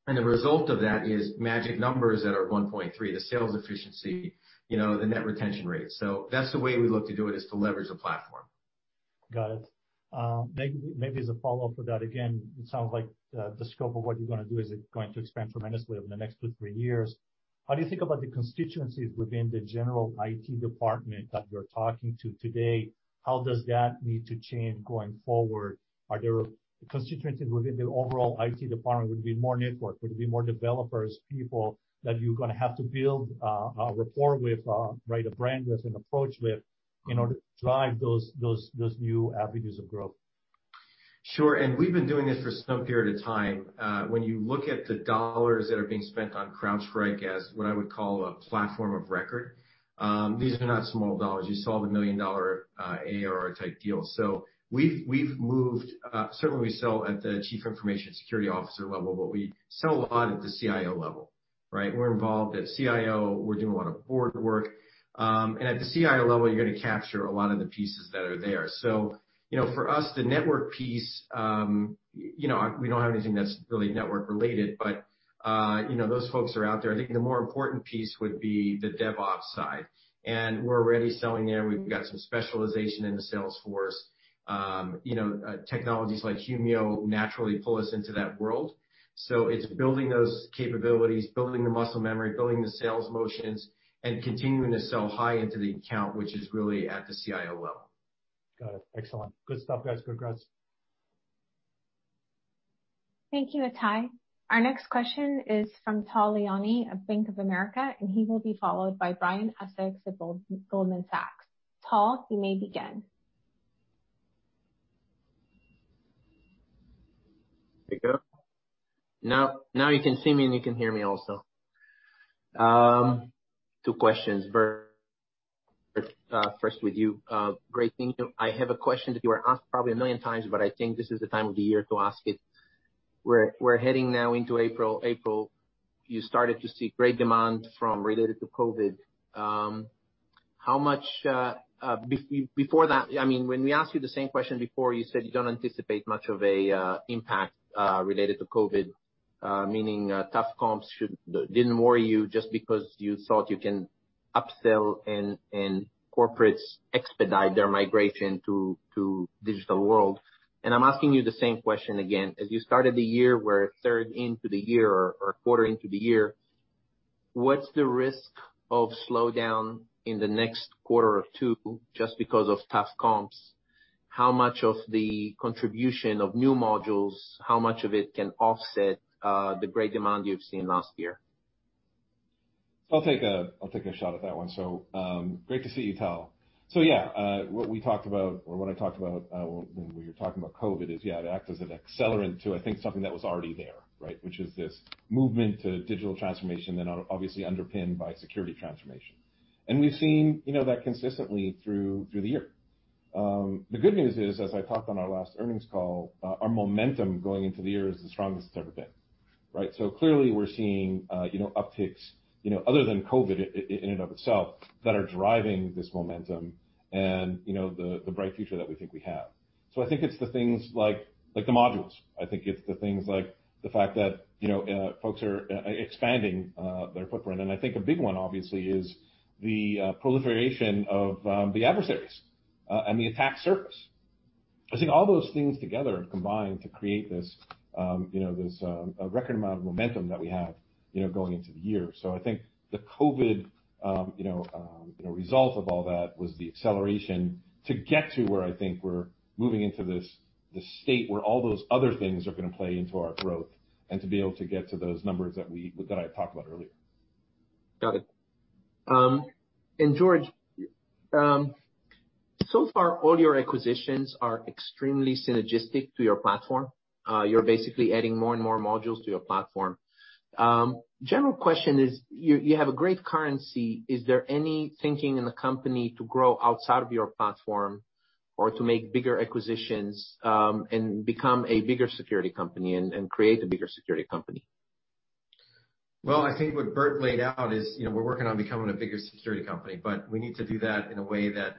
The result of that is magic numbers that are 1.3, the sales efficiency, the net retention rate. That's the way we look to do it, is to leverage the platform. Got it. Maybe as a follow-up for that, again, it sounds like the scope of what you're going to do is going to expand tremendously over the next two, three years. How do you think about the constituencies within the general IT department that you're talking to today? How does that need to change going forward? Are there constituencies within the overall IT department? Would it be more network? Would it be more developers, people that you're going to have to build a rapport with, a brand with, an approach with in order to drive those new avenues of growth? Sure. We've been doing this for some period of time. When you look at the dollars that are being spent on CrowdStrike as what I would call a platform of record, these are not small dollars. You saw the million-dollar ARR type deal. Certainly, we sell at the chief information security officer level, but we sell a lot at the CIO level, right? We're involved at CIO. We're doing a lot of board work. At the CIO level, you're going to capture a lot of the pieces that are there. For us, the network piece, we don't have anything that's really network related, but those folks are out there. I think the more important piece would be the DevOps side, and we're already selling there. We've got some specialization in the sales force. Technologies like Humio naturally pull us into that world. It's building those capabilities, building the muscle memory, building the sales motions, and continuing to sell high into the account, which is really at the CIO level. Got it. Excellent. Good stuff, guys. Congrats. Thank you, Ittai. Our next question is from Tal Liani of Bank of America, and he will be followed by Brian Essex of Goldman Sachs. Tal, you may begin. There you go. Now you can see me, and you can hear me also. Two questions. Burt, first with you. Great seeing you. I have a question that you were asked probably a million times, but I think this is the time of the year to ask it. We're heading now into April. April, you started to see great demand from related to COVID. Before that, when we asked you the same question before, you said you don't anticipate much of an impact related to COVID, meaning tough comps didn't worry you just because you thought you can upsell and corporates expedite their migration to digital world. I'm asking you the same question again. As you started the year, we're a third into the year or a quarter into the year, what's the risk of slowdown in the next quarter or two just because of tough comps? How much of the contribution of new modules, how much of it can offset the great demand you've seen last year? I'll take a shot at that one. Great to see you, Tal. What we talked about or what I talked about when we were talking about COVID is it acted as an accelerant to, I think, something that was already there, which is this movement to digital transformation, obviously underpinned by security transformation. We've seen that consistently through the year. The good news is, as I talked on our last earnings call, our momentum going into the year is the strongest it's ever been. Clearly we're seeing upticks, other than COVID in and of itself, that are driving this momentum and the bright future that we think we have. I think it's the things like the modules. I think it's the things like the fact that folks are expanding their footprint, and I think a big one, obviously, is the proliferation of the adversaries and the attack surface. I think all those things together have combined to create this record amount of momentum that we have going into the year. I think the COVID result of all that was the acceleration to get to where I think we're moving into this state where all those other things are going to play into our growth and to be able to get to those numbers that I talked about earlier. Got it. George, so far, all your acquisitions are extremely synergistic to your platform. You're basically adding more and more modules to your platform. General question is, you have a great currency. Is there any thinking in the company to grow outside of your platform or to make bigger acquisitions, and become a bigger security company and create a bigger security company? Well, I think what Burt laid out is we're working on becoming a bigger security company, but we need to do that in a way that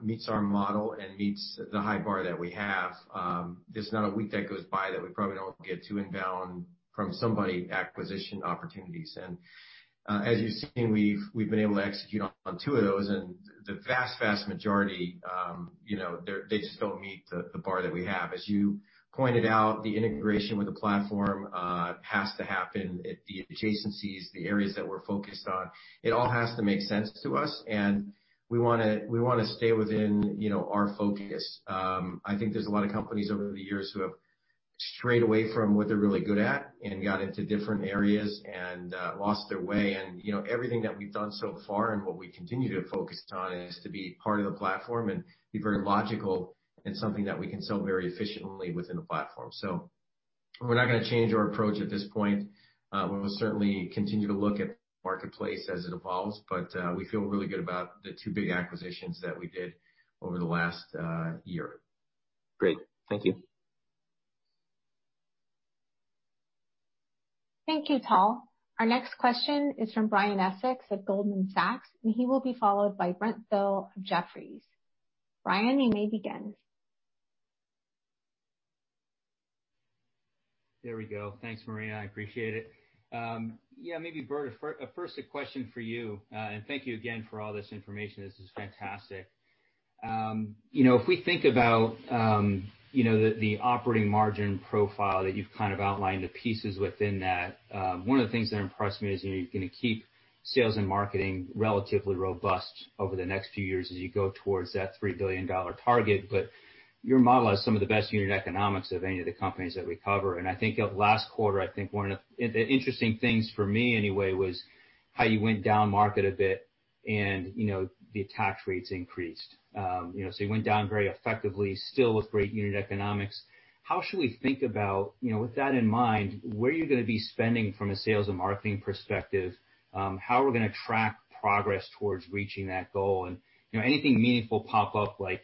meets our model and meets the high bar that we have. There's not a week that goes by that we probably don't get two inbound from somebody acquisition opportunities. As you've seen, we've been able to execute on two of those, and the vast majority they just don't meet the bar that we have. As you pointed out, the integration with the platform has to happen at the adjacencies, the areas that we're focused on. It all has to make sense to us, and we want to stay within our focus. I think there's a lot of companies over the years who have strayed away from what they're really good at and got into different areas and lost their way. Everything that we've done so far and what we continue to focus on is to be part of the platform and be very logical and something that we can sell very efficiently within the platform. We're not going to change our approach at this point. We will certainly continue to look at the marketplace as it evolves, but we feel really good about the two big acquisitions that we did over the last year. Great. Thank you. Thank you, Tal. Our next question is from Brian Essex at Goldman Sachs. He will be followed by Brent Thill of Jefferies. Brian, you may begin. There we go. Thanks, Maria. I appreciate it. Yeah, maybe Burt, first a question for you, and thank you again for all this information. This is fantastic. If we think about the operating margin profile that you've outlined the pieces within that, one of the things that impressed me is you're going to keep sales and marketing relatively robust over the next few years as you go towards that $3 billion target. Your model has some of the best unit economics of any of the companies that we cover. I think of last quarter, I think one of the interesting things for me anyway, was how you went down market a bit and the attack rates increased. You went down very effectively still with great unit economics. How should we think about, with that in mind, where are you going to be spending from a sales and marketing perspective? How are we going to track progress towards reaching that goal and anything meaningful pop up like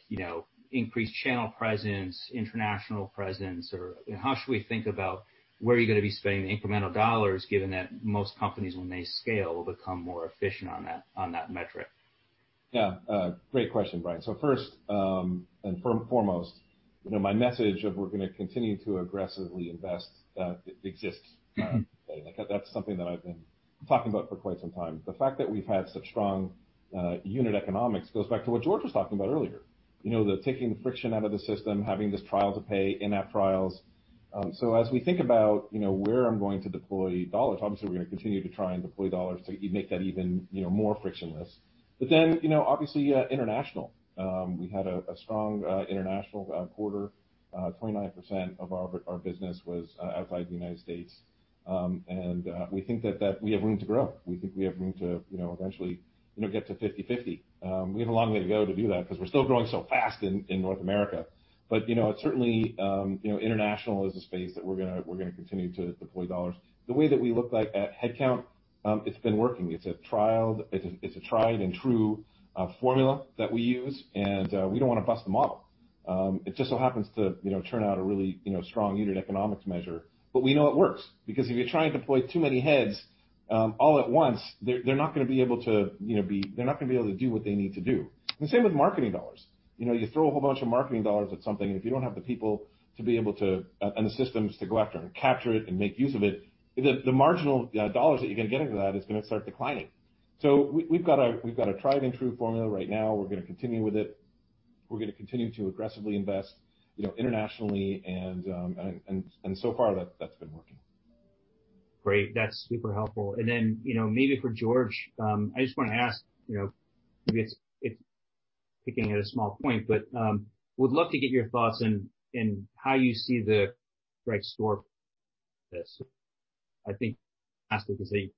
increased channel presence, international presence, or how should we think about where you're going to be spending the incremental dollars, given that most companies, when they scale, will become more efficient on that metric? Yeah. Great question, Brian. First, and foremost, my message of we're going to continue to aggressively invest exists today. That's something that I've been talking about for quite some time. The fact that we've had such strong unit economics goes back to what George was talking about earlier. The taking the friction out of the system, having this trial to pay, in-app trials. As we think about where I'm going to deploy dollars, obviously, we're going to continue to try and deploy dollars to make that even more frictionless. Obviously, international. We had a strong international quarter. 29% of our business was outside the U.S., and we think that we have room to grow. We think we have room to eventually get to 50/50. We have a long way to go to do that because we're still growing so fast in North America. Certainly, international is a space that we're going to continue to deploy dollars. The way that we look at headcount, it's been working. It's a tried and true formula that we use, and we don't want to bust the model. It just so happens to turn out a really strong unit economics measure. We know it works, because if you try and deploy too many heads all at once, they're not going to be able to do what they need to do. Same with marketing dollars. You throw a whole bunch of marketing dollars at something, and if you don't have the people to be able to, and the systems to go after and capture it and make use of it, the marginal dollars that you're going to get into that is going to start declining. We've got a tried and true formula right now. We're going to continue with it. We're going to continue to aggressively invest internationally, and so far, that's been working. Great. That's super helpful. Maybe for George, I just want to ask, maybe it's picking at a small point, but would love to get your thoughts on how you see the CrowdStrike store. I think it has to be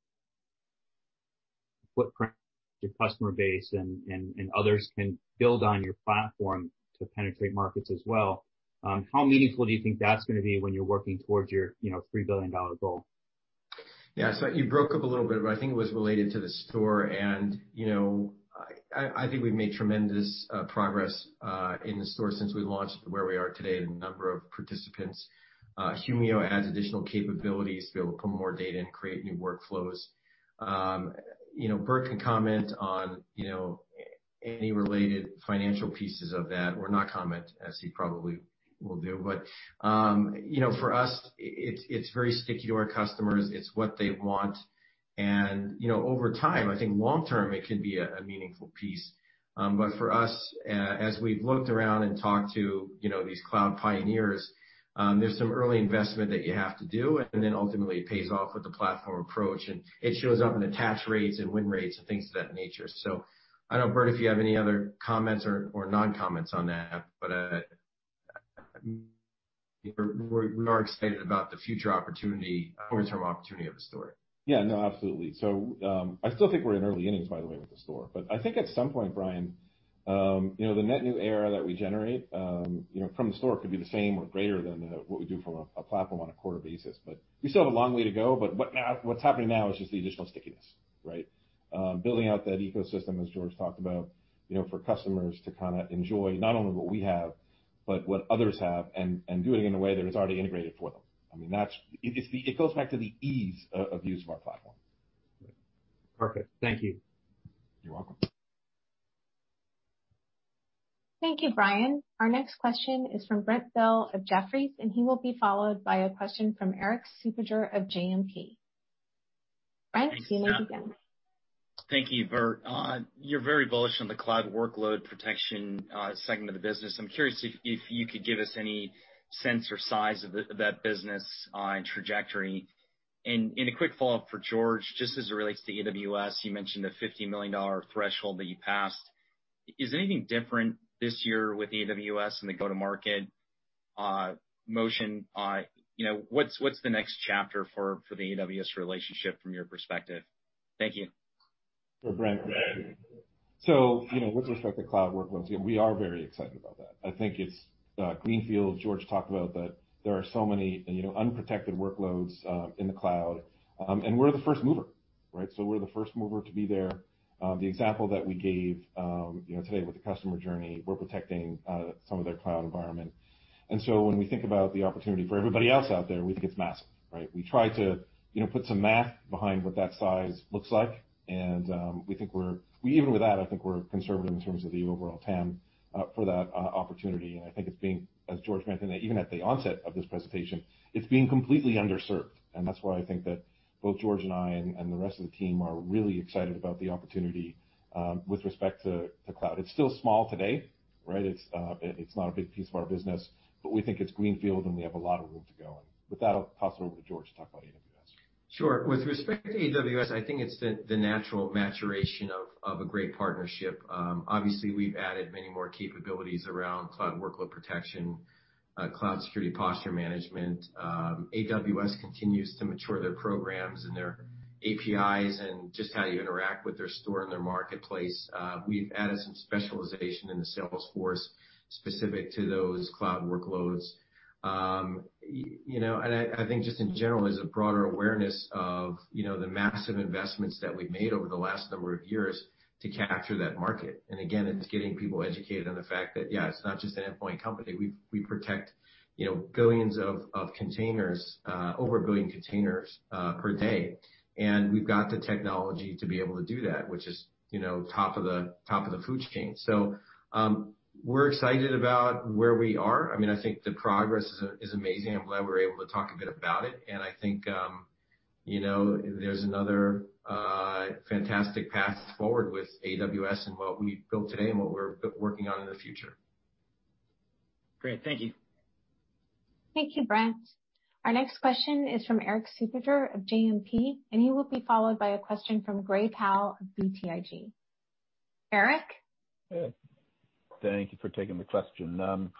footprint, your customer base, and others can build on your platform to penetrate markets as well. How meaningful do you think that's going to be when you're working towards your $3 billion goal? Yeah. You broke up a little bit, but I think it was related to the store. I think we've made tremendous progress in the store since we launched to where we are today in the number of participants. Humio adds additional capabilities to be able to pull more data and create new workflows. Burt can comment on any related financial pieces of that, or not comment, as he probably will do. For us, it's very sticky to our customers. It's what they want. Over time, I think long-term, it can be a meaningful piece. For us, as we've looked around and talked to these cloud pioneers, there's some early investment that you have to do, and then ultimately it pays off with the platform approach. It shows up in attach rates and win rates and things of that nature. I don't know, Burt, if you have any other comments or non-comments on that, but we are excited about the future opportunity, long-term opportunity of the store. Yeah, no, absolutely. I still think we're in early innings, by the way, with the store. I think at some point, Brian, the net new ARR that we generate from the store could be the same or greater than what we do from a platform on a quarter basis. We still have a long way to go, but what's happening now is just the additional stickiness, right? Building out that ecosystem, as George talked about, for customers to enjoy not only what we have, but what others have, and do it in a way that is already integrated for them. It goes back to the ease of use of our platform. Perfect. Thank you. You're welcome. Thank you, Brian. Our next question is from Brent Thill of Jefferies, and he will be followed by a question from Erik Suppiger of JMP. Brent, you may begin. Thank you, Burt. You're very bullish on the cloud workload protection segment of the business. I'm curious if you could give us any sense or size of that business on trajectory. A quick follow-up for George, just as it relates to AWS, you mentioned the $50 million threshold that you passed. Is anything different this year with AWS and the go-to-market motion? What's the next chapter for the AWS relationship from your perspective? Thank you. For Brent. With respect to cloud workloads, yeah, we are very excited about that. I think it's greenfield. George talked about that there are so many unprotected workloads in the cloud, and we're the first mover, right? We're the first mover to be there. The example that we gave today with the customer journey, we're protecting some of their cloud environment. When we think about the opportunity for everybody else out there, we think it's massive, right? We try to put some math behind what that size looks like, and even with that, I think we're conservative in terms of the overall TAM for that opportunity. I think it's being, as George mentioned, even at the onset of this presentation, it's being completely underserved. That's why I think that both George and I and the rest of the team are really excited about the opportunity with respect to cloud. It's still small today, right? It's not a big piece of our business, but we think it's greenfield, and we have a lot of room to go. With that, I'll pass it over to George to talk about AWS. Sure. With respect to AWS, I think it's the natural maturation of a great partnership. Obviously, we've added many more capabilities around cloud workload protection, cloud security posture management. AWS continues to mature their programs and their APIs and just how you interact with their store and their marketplace. We've added some specialization in the sales force specific to those cloud workloads. I think just in general, there's a broader awareness of the massive investments that we've made over the last number of years to capture that market. Again, it's getting people educated on the fact that, yeah, it's not just an endpoint company. We protect billions of containers, over 1 billion containers per day. We've got the technology to be able to do that, which is top of the food chain. We're excited about where we are. I think the progress is amazing. I'm glad we were able to talk a bit about it. There's another fantastic path forward with AWS and what we've built today and what we're working on in the future. Great. Thank you. Thank you, Brent. Our next question is from Erik Suppiger of JMP. He will be followed by a question from Gray Powell of BTIG. Erik? Hey. Thank you for taking the question.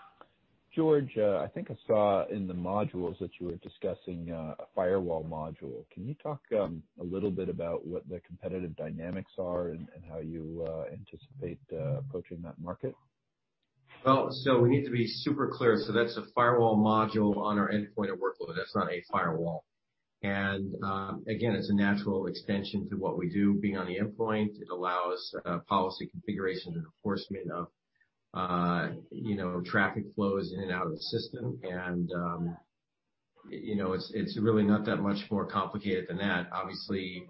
George, I think I saw in the modules that you were discussing a firewall module. Can you talk a little bit about what the competitive dynamics are and how you anticipate approaching that market? We need to be super clear. That's a firewall module on our endpoint or workload. That's not a firewall. Again, it's a natural extension to what we do, being on the endpoint. It allows policy configuration and enforcement of traffic flows in and out of the system. It's really not that much more complicated than that. Obviously,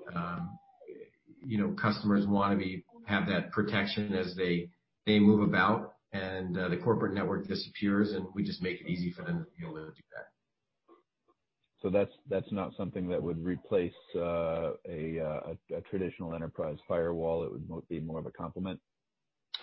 customers want to have that protection as they move about, and the corporate network disappears, and we just make it easy for them to be able to do that. That's not something that would replace a traditional enterprise firewall. It would be more of a complement?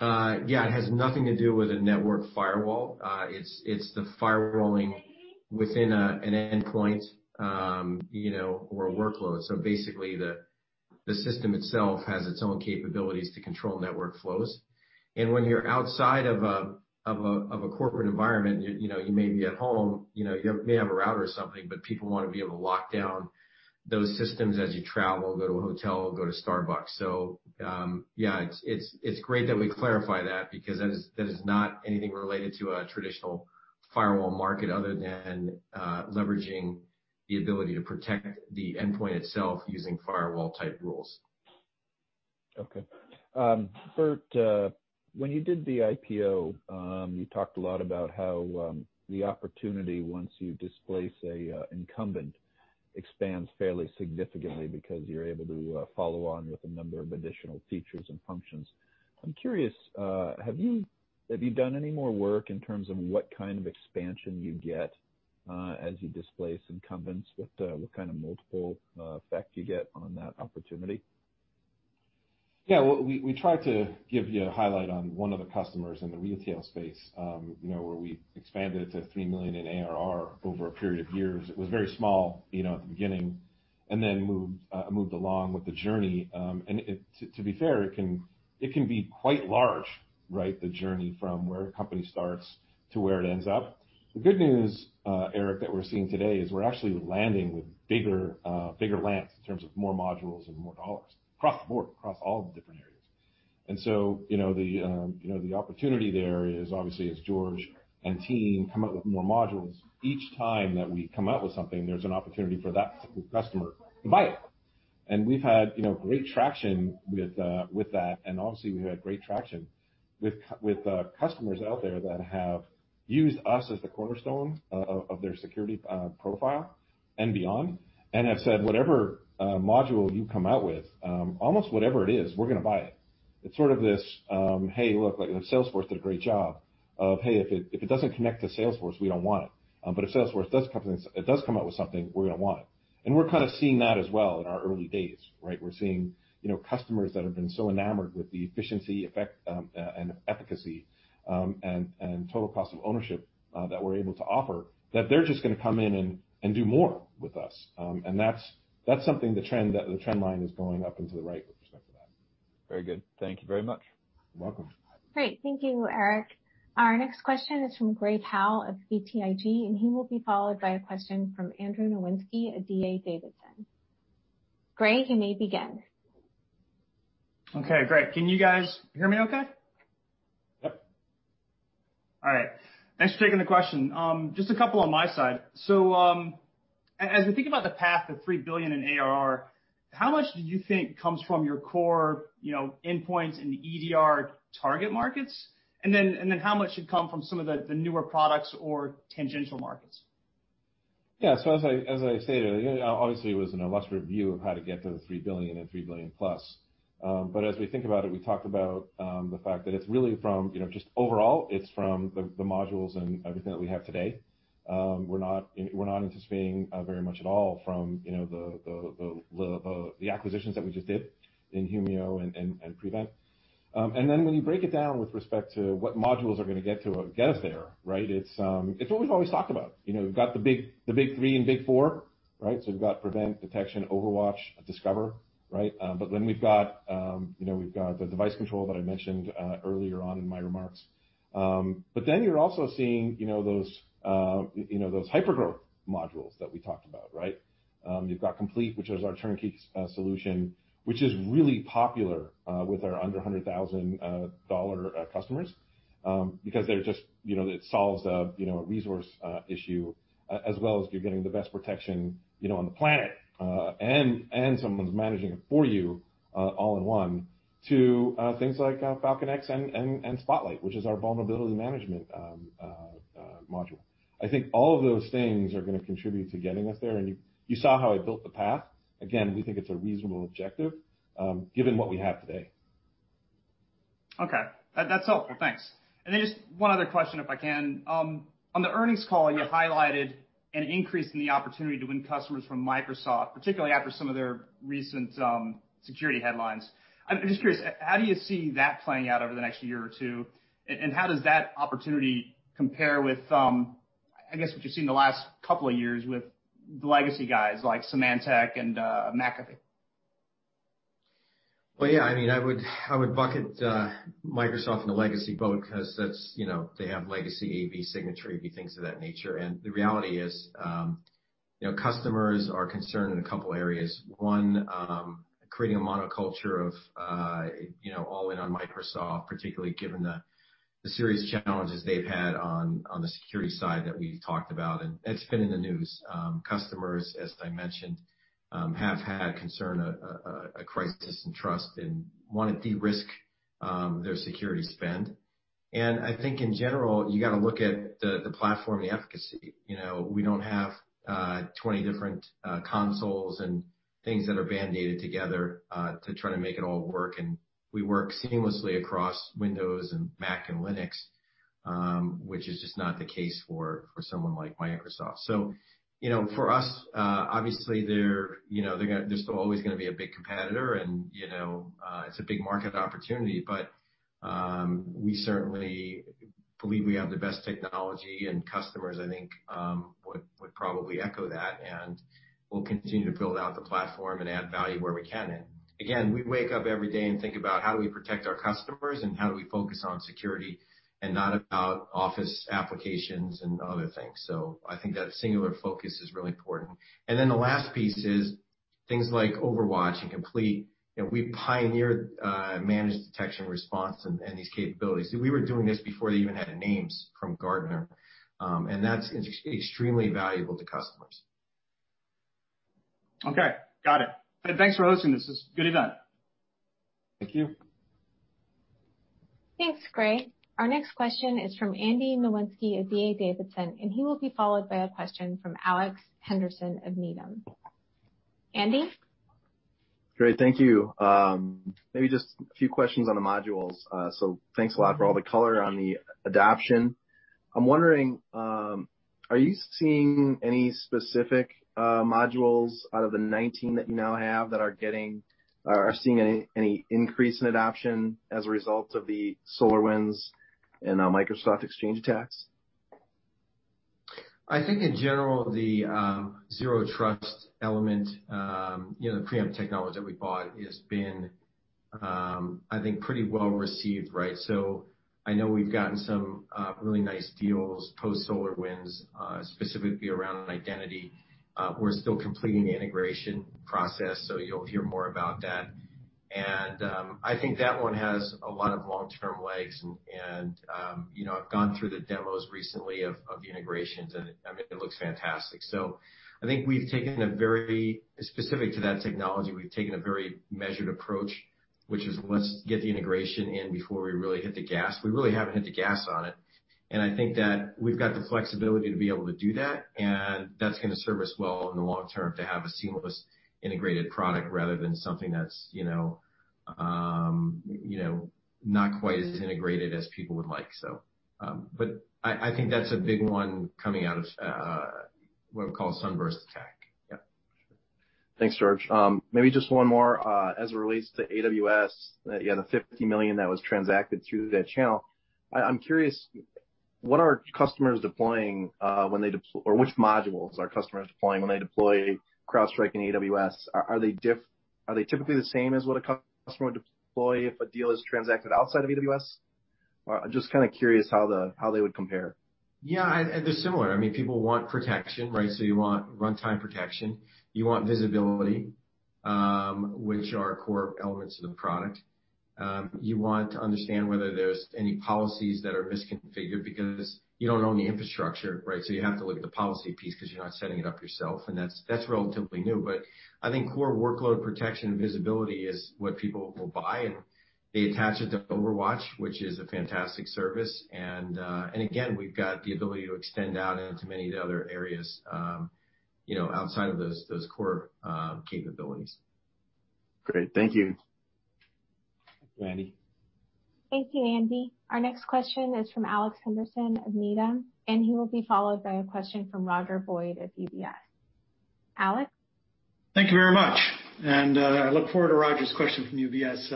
Yeah, it has nothing to do with a network firewall. It's the firewalling within an endpoint or a workload. Basically, the system itself has its own capabilities to control network flows. When you're outside of a corporate environment, you may be at home, you may have a router or something, but people want to be able to lock down those systems as you travel, go to a hotel, go to Starbucks. Yeah, it's great that we clarify that because that is not anything related to a traditional firewall market other than leveraging the ability to protect the endpoint itself using firewall-type rules. Okay. Burt, when you did the IPO, you talked a lot about how the opportunity, once you displace a incumbent, expands fairly significantly because you're able to follow on with a number of additional features and functions. I'm curious, have you done any more work in terms of what kind of expansion you get as you displace incumbents with what kind of multiple effect you get on that opportunity? Yeah, we tried to give you a highlight on one of the customers in the retail space, where we expanded to $3 million in ARR over a period of years. It was very small at the beginning, then moved along with the journey. To be fair, it can be quite large, the journey from where a company starts to where it ends up. The good news, Erik, that we're seeing today is we're actually landing with bigger lands in terms of more modules and more dollars across the board, across all the different areas. The opportunity there is obviously as George and team come up with more modules, each time that we come out with something, there's an opportunity for that customer to buy it. We've had great traction with that, and obviously, we've had great traction with customers out there that have used us as the cornerstone of their security profile and beyond, and have said, "Whatever module you come out with, almost whatever it is, we're going to buy it." It's sort of this, hey, look, like Salesforce did a great job of, hey, if it doesn't connect to Salesforce, we don't want it. If Salesforce does come out with something, we're going to want it. We're kind of seeing that as well in our early days, right? We're seeing customers that have been so enamored with the efficiency, effect, and efficacy, and total cost of ownership that we're able to offer, that they're just going to come in and do more with us. That's something the trend line is going up and to the right with respect to that. Very good. Thank you very much. You're welcome. Great. Thank you, Erik. Our next question is from Gray Powell of BTIG, and he will be followed by a question from Andrew Nowinski of D.A. Davidson. Gray, you may begin. Okay, great. Can you guys hear me okay? Yep. All right. Thanks for taking the question. Just a couple on my side. As we think about the path of $3 billion in ARR, how much do you think comes from your core endpoints in the EDR target markets? How much should come from some of the newer products or tangential markets? As I stated, obviously, it was an illustrative view of how to get to the $3 billion and $3 billion+. As we think about it, we talk about the fact that it's really from just overall, it's from the modules and everything that we have today. We're not anticipating very much at all from the acquisitions that we just did in Humio and Prevent. When you break it down with respect to what modules are going to get us there, it's what we've always talked about. We've got the big three and big four. We've got Prevent, Detection, OverWatch, Discover. Then we've got the Device Control that I mentioned earlier on in my remarks. Then you're also seeing those hypergrowth modules that we talked about. You've got Complete, which is our turnkey solution, which is really popular with our under $100,000 customers. It solves a resource issue as well as you're getting the best protection on the planet. Someone's managing it for you all in one, to things like Falcon X and Spotlight, which is our vulnerability management module. I think all of those things are going to contribute to getting us there, and you saw how I built the path. Again, we think it's a reasonable objective given what we have today. Okay. That's helpful. Thanks. Just one other question, if I can. On the earnings call, you highlighted an increase in the opportunity to win customers from Microsoft, particularly after some of their recent security headlines. I'm just curious, how do you see that playing out over the next year or two, how does that opportunity compare with, I guess what you've seen the last couple of years with the legacy guys like Symantec and McAfee? Well, yeah, I would bucket Microsoft in the legacy boat because they have legacy AV, signature AV, things of that nature. The reality is, customers are concerned in a couple areas. One, creating a monoculture of all in on Microsoft, particularly given the serious challenges they've had on the security side that we've talked about, and it's been in the news. Customers, as I mentioned, have had concern, a crisis in trust and want to de-risk their security spend. I think in general, you got to look at the platform, the efficacy. We don't have 20 different consoles and things that are band-aided together to try to make it all work, and we work seamlessly across Windows and Mac and Linux, which is just not the case for someone like Microsoft. For us, obviously they're always going to be a big competitor and it's a big market opportunity, we certainly believe we have the best technology. Customers, I think, would probably echo that, and we'll continue to build out the platform and add value where we can. Again, we wake up every day and think about how do we protect our customers and how do we focus on security and not about office applications and other things. I think that singular focus is really important. The last piece is things like OverWatch and Complete. We pioneered managed detection response and these capabilities. We were doing this before they even had names from Gartner. That's extremely valuable to customers. Okay. Got it. Thanks for hosting this. This is a good event. Thank you. Thanks, Gray. Our next question is from Andy Nowinski of D.A. Davidson, and he will be followed by a question from Alex Henderson of Needham. Andy? Great, thank you. Maybe just a few questions on the modules. Thanks a lot for all the color on the adoption. I'm wondering, are you seeing any specific modules out of the 19 that you now have that are seeing any increase in adoption as a result of the SolarWinds and Microsoft Exchange attacks? I think in general, the Zero Trust element, the Preempt technology that we bought, has been, I think, pretty well received, right? I know we've gotten some really nice deals post-SolarWinds, specifically around identity. We're still completing the integration process, so you'll hear more about that. I think that one has a lot of long-term legs and I've gone through the demos recently of the integrations, and it looks fantastic. I think specific to that technology, we've taken a very measured approach, which is let's get the integration in before we really hit the gas. We really haven't hit the gas on it. I think that we've got the flexibility to be able to do that, and that's going to serve us well in the long term to have a seamless integrated product rather than something that's not quite as integrated as people would like. I think that's a big one coming out of what I've called Sunburst attack. Yep. Thanks, George. Maybe just one more. As it relates to AWS, you had the $50 million that was transacted through that channel. I'm curious, what are customers deploying, or which modules are customers deploying when they deploy CrowdStrike in AWS? Are they typically the same as what a customer would deploy if a deal is transacted outside of AWS? I'm just kind of curious how they would compare. Yeah, they're similar. People want protection, right? You want runtime protection. You want visibility, which are core elements of the product. You want to understand whether there's any policies that are misconfigured because you don't own the infrastructure, right? You have to look at the policy piece because you're not setting it up yourself, and that's relatively new. I think core workload protection and visibility is what people will buy, and they attach it to OverWatch, which is a fantastic service. Again, we've got the ability to extend out into many of the other areas, outside of those core capabilities. Great. Thank you. Thank you, Andy. Thank you, Andy. Our next question is from Alex Henderson of Needham, and he will be followed by a question from Roger Boyd of UBS. Alex? Thank you very much. I look forward to Roger's question from UBS.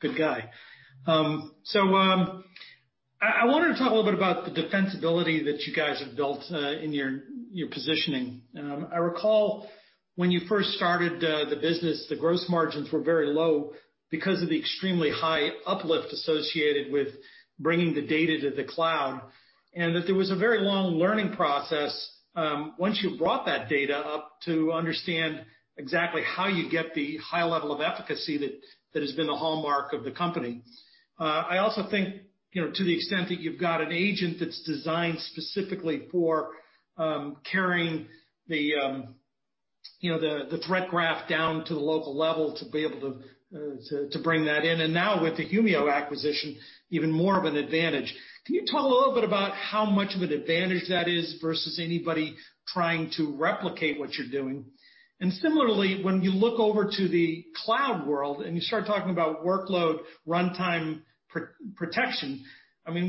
Good guy. I wanted to talk a little bit about the defensibility that you guys have built in your positioning. I recall when you first started the business, the gross margins were very low because of the extremely high uplift associated with bringing the data to the cloud, and that there was a very long learning process once you brought that data up to understand exactly how you get the high level of efficacy that has been the hallmark of the company. I also think to the extent that you've got an agent that's designed specifically for carrying the The threat graph down to the local level to be able to bring that in. Now with the Humio acquisition, even more of an advantage. Can you talk a little bit about how much of an advantage that is versus anybody trying to replicate what you're doing? Similarly, when you look over to the cloud world and you start talking about workload runtime protection,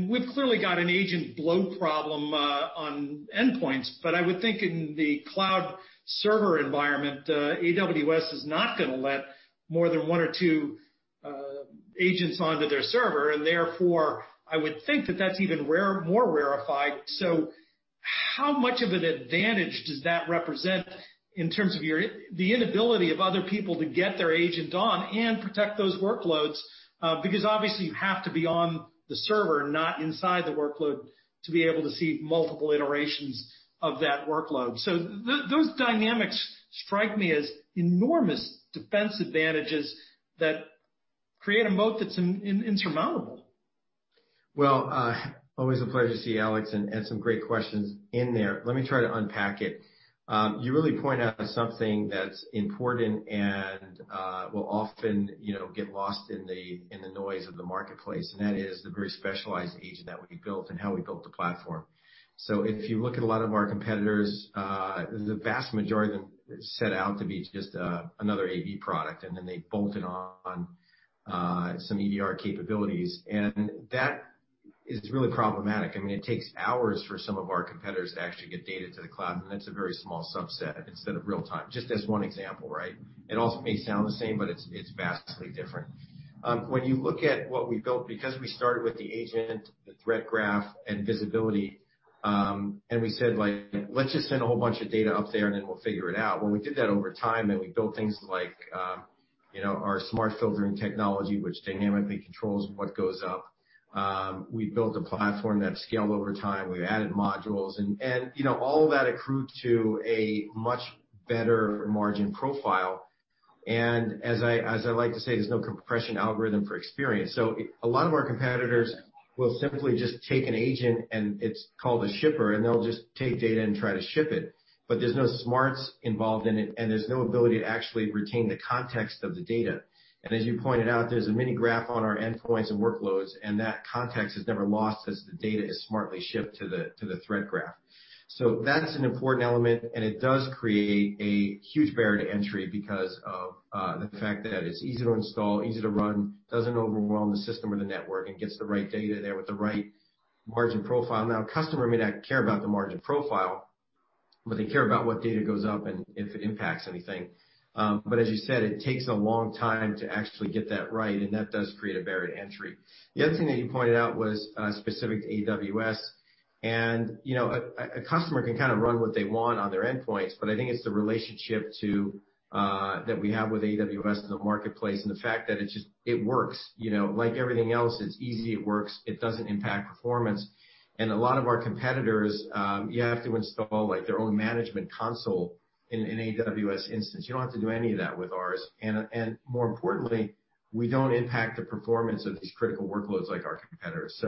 we've clearly got an agent bloat problem on endpoints. I would think in the cloud server environment, AWS is not going to let more than one or two agents onto their server, and therefore I would think that that's even more rarefied. How much of an advantage does that represent in terms of the inability of other people to get their agent on and protect those workloads? Because obviously you have to be on the server, not inside the workload, to be able to see multiple iterations of that workload. Those dynamics strike me as enormous defense advantages that create a moat that's insurmountable. Well, always a pleasure to see you, Alex, and some great questions in there. Let me try to unpack it. You really point out something that's important and will often get lost in the noise of the marketplace, and that is the very specialized agent that we built and how we built the platform. If you look at a lot of our competitors, the vast majority of them set out to be just another AV product, and then they bolted on some EDR capabilities. That is really problematic. It takes hours for some of our competitors to actually get data to the cloud, and that's a very small subset instead of real time, just as one example, right? It all may sound the same, but it's vastly different. When you look at what we built, because we started with the agent, the threat graph, and visibility, and we said, "Let's just send a whole bunch of data up there, and then we'll figure it out." When we did that over time, and we built things like our smart filtering technology, which dynamically controls what goes up. We built a platform that scaled over time. We added modules, and all of that accrued to a much better margin profile. As I like to say, there's no compression algorithm for experience. A lot of our competitors will simply just take an agent, and it's called a shipper, and they'll just take data and try to ship it. There's no smarts involved in it, and there's no ability to actually retain the context of the data. As you pointed out, there's a mini graph on our endpoints and workloads, and that context is never lost as the data is smartly shipped to the threat graph. That's an important element, and it does create a huge barrier to entry because of the fact that it's easy to install, easy to run, doesn't overwhelm the system or the network, and gets the right data there with the right margin profile. A customer may not care about the margin profile, but they care about what data goes up and if it impacts anything. As you said, it takes a long time to actually get that right, and that does create a barrier to entry. The other thing that you pointed out was specific to AWS. A customer can kind of run what they want on their endpoints. I think it's the relationship that we have with AWS in the marketplace, the fact that it just works. Like everything else, it's easy, it works, it doesn't impact performance. A lot of our competitors, you have to install their own management console in an AWS instance. You don't have to do any of that with ours. More importantly, we don't impact the performance of these critical workloads like our competitors.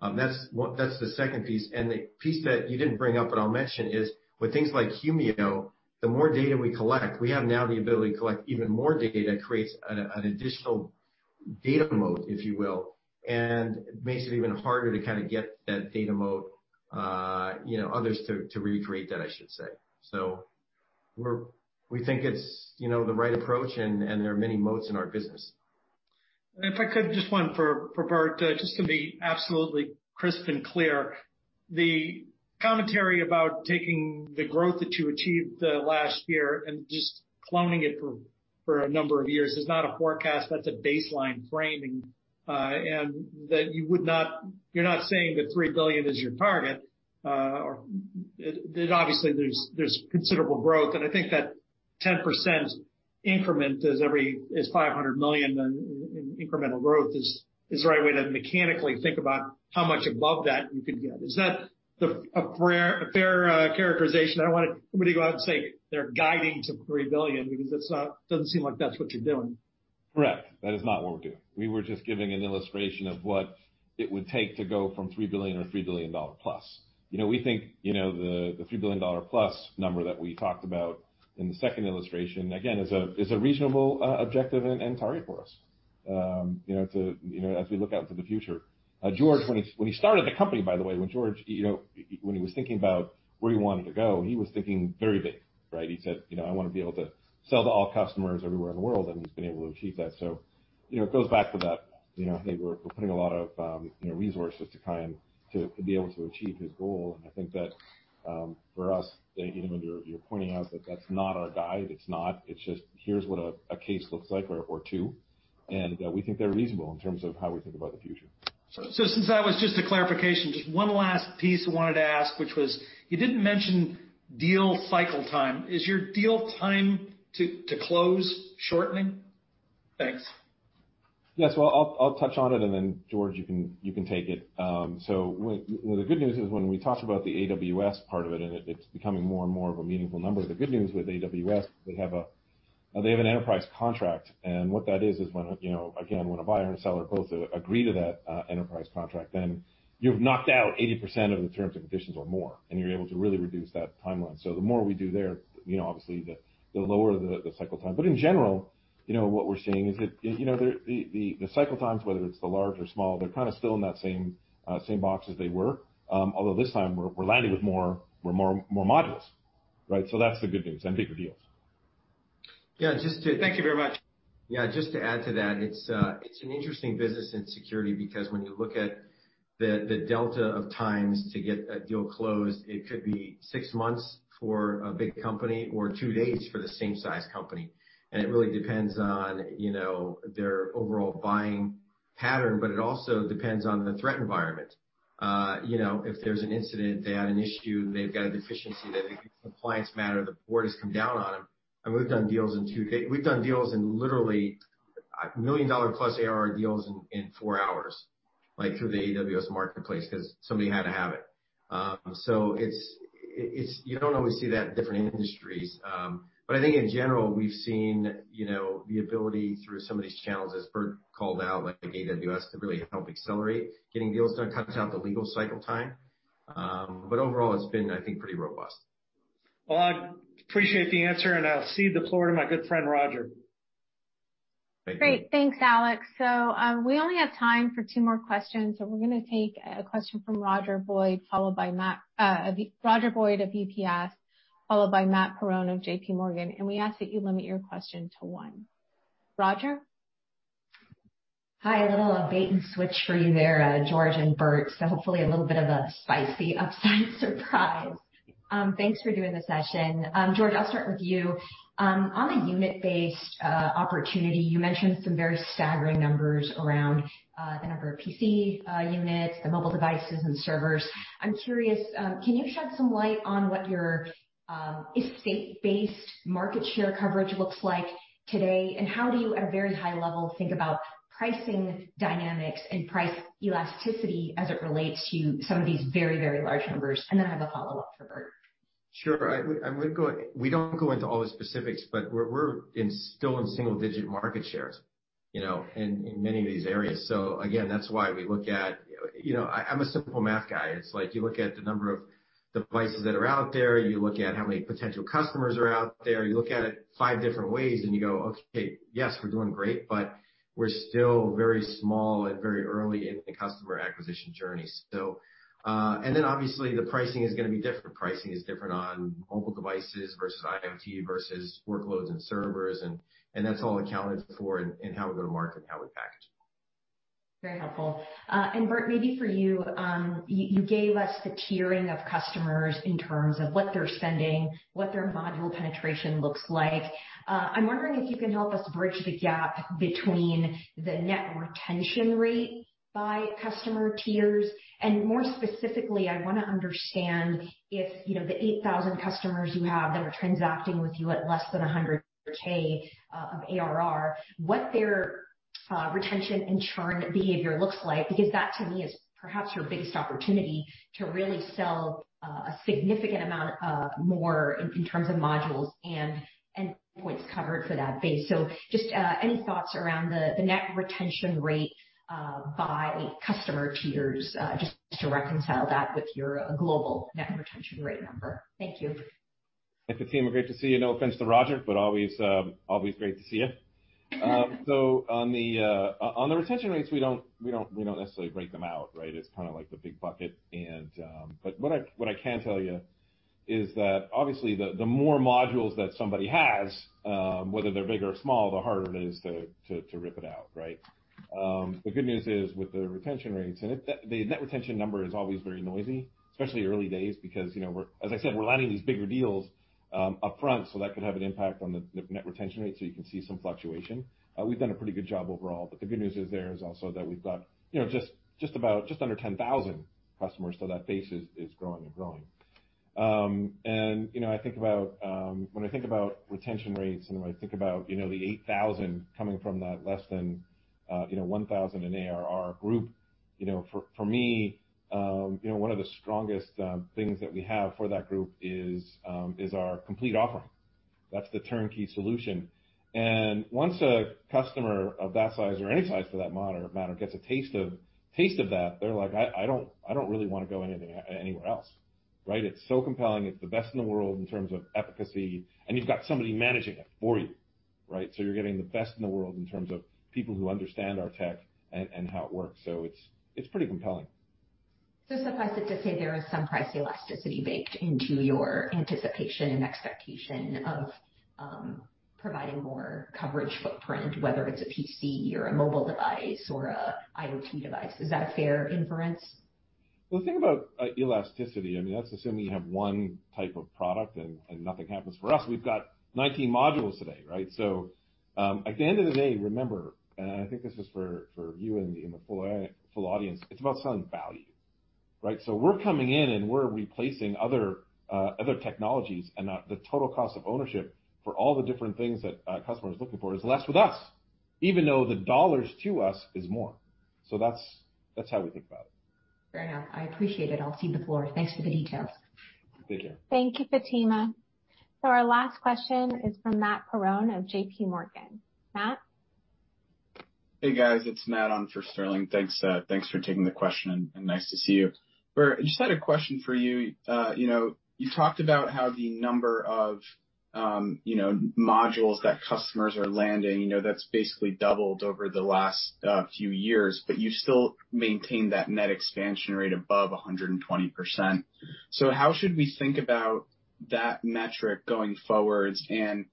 That's the second piece. The piece that you didn't bring up, I'll mention is with things like Humio, the more data we collect, we have now the ability to collect even more data. It creates an additional data moat, if you will, and makes it even harder to get that data moat, others to recreate that, I should say. We think it's the right approach, and there are many moats in our business. If I could, just one for Burt, just to be absolutely crisp and clear. The commentary about taking the growth that you achieved last year and just cloning it for a number of years is not a forecast, that's a baseline framing. That you're not saying that $3 billion is your target. Obviously, there's considerable growth, and I think that 10% increment is $500 million in incremental growth is the right way to mechanically think about how much above that you could get. Is that a fair characterization? I don't want anybody to go out and say they're guiding to $3 billion, because it doesn't seem like that's what you're doing. Correct. That is not what we're doing. We were just giving an illustration of what it would take to go from $3 billion or $3 billion+. We think the $3 billion+ number that we talked about in the second illustration, again, is a reasonable objective and target for us as we look out into the future. George, when he started the company, by the way, when George was thinking about where he wanted to go, he was thinking very big. He said, "I want to be able to sell to all customers everywhere in the world," and he's been able to achieve that. It goes back to that, hey, we're putting a lot of resources to be able to achieve his goal. I think that for us, even when you're pointing out that that's not our guide, it's not. It's just, here's what a case looks like or two, and we think they're reasonable in terms of how we think about the future. Since that was just a clarification, just one last piece I wanted to ask, which was, you didn't mention deal cycle time. Is your deal time to close shortening? Thanks. Yes. Well, I'll touch on it, then George, you can take it. The good news is when we talked about the AWS part of it's becoming more and more of a meaningful number. The good news with AWS, we have They have an enterprise contract. What that is is when, again, when a buyer and seller both agree to that enterprise contract, then you've knocked out 80% of the terms and conditions or more, you're able to really reduce that timeline. The more we do there, obviously the lower the cycle time. In general, what we're seeing is that the cycle times, whether it's the large or small, they're kind of still in that same box as they were. This time we're landing with more modules. That's the good news, and bigger deals. Yeah. Thank you very much. Yeah, just to add to that, it's an interesting business in security because when you look at the delta of times to get a deal closed, it could be six months for a big company or two days for the same size company. It really depends on their overall buying pattern, but it also depends on the threat environment. If there's an incident, they had an issue, they've got a deficiency, they've got a compliance matter, the board has come down on them, we've done deals in two days. We've done deals in literally, $1 million+ ARR deals in four hours, like through the AWS Marketplace, because somebody had to have it. You don't always see that in different industries. I think in general, we've seen the ability through some of these channels, as Burt called out, like AWS, to really help accelerate getting deals done, cuts down the legal cycle time. Overall it's been, I think, pretty robust. Well, I appreciate the answer, and I'll cede the floor to my good friend, Roger. Thank you. Great. Thanks, Alex. We only have time for two more questions. We're going to take a question from Roger Boyd of UBS, followed by Matt Parron of JPMorgan. We ask that you limit your question to one. Roger? Hi, a little bait and switch for you there, George and Burt. Hopefully a little bit of a spicy upside surprise. Thanks for doing the session. George, I'll start with you. On the unit-based opportunity, you mentioned some very staggering numbers around the number of PC units, the mobile devices, and servers. I'm curious, can you shed some light on what your estate-based market share coverage looks like today, and how do you, at a very high level, think about pricing dynamics and price elasticity as it relates to some of these very, very large numbers? I have a follow-up for Burt. Sure. We don't go into all the specifics, but we're still in single-digit market shares in many of these areas. Again, that's why we look at. I'm a simple math guy. It's like you look at the number of devices that are out there, you look at how many potential customers are out there, you look at it five different ways, and you go, "Okay. Yes, we're doing great, but we're still very small and very early in the customer acquisition journey." Obviously the pricing is going to be different. Pricing is different on mobile devices versus IoT versus workloads and servers, and that's all accounted for in how we go to market and how we package them. Very helpful. Burt, maybe for you gave us the tiering of customers in terms of what they're spending, what their module penetration looks like. I'm wondering if you can help us bridge the gap between the net retention rate by customer tiers. More specifically, I want to understand if the 8,000 customers you have that are transacting with you at less than $100,000 of ARR, what their retention and churn behavior looks like, because that to me is perhaps your biggest opportunity to really sell a significant amount more in terms of modules and points covered for that base. Just any thoughts around the net retention rate by customer tiers, just to reconcile that with your global net retention rate number. Thank you. Fatima, great to see you. No offense to Roger, always great to see you. On the retention rates, we don't necessarily break them out. It's kind of like the big bucket. What I can tell you is that obviously the more modules that somebody has, whether they're big or small, the harder it is to rip it out. The good news is with the retention rates, the net retention number is always very noisy, especially early days, because as I said, we're landing these bigger deals upfront, that could have an impact on the net retention rate, you can see some fluctuation. We've done a pretty good job overall, the good news is there is also that we've got just under 10,000 customers, that base is growing and growing. When I think about retention rates and when I think about the 8,000 coming from that less than 1,000 in ARR group, for me, one of the strongest things that we have for that group is our Complete offering. That's the turnkey solution. Once a customer of that size or any size for that matter gets a taste of that, they're like, "I don't really want to go anywhere else." It's so compelling. It's the best in the world in terms of efficacy, and you've got somebody managing it for you. You're getting the best in the world in terms of people who understand our tech and how it works. It's pretty compelling. Suffice it to say there is some price elasticity baked into your anticipation and expectation of providing more coverage footprint, whether it's a PC or a mobile device or a IoT device. Is that a fair inference? Well, the thing about elasticity, that's assuming you have one type of product and nothing happens. For us, we've got 19 modules today. At the end of the day, remember, and I think this is for you and the full audience, it's about selling value. We're coming in and we're replacing other technologies, and the total cost of ownership for all the different things that a customer is looking for is less with us, even though the dollars to us is more. That's how we think about it. Fair enough. I appreciate it. I'll cede the floor. Thanks for the details. Thank you. Thank you, Fatima. Our last question is from Matt Parron of JPMorgan. Matt? Hey, guys. It's Matt on for Sterling. Thanks for taking the question, and nice to see you. Burt, I just had a question for you. You talked about how the number of modules that customers are landing, that's basically doubled over the last few years, but you still maintain that net expansion rate above 120%. How should we think about that metric going forward and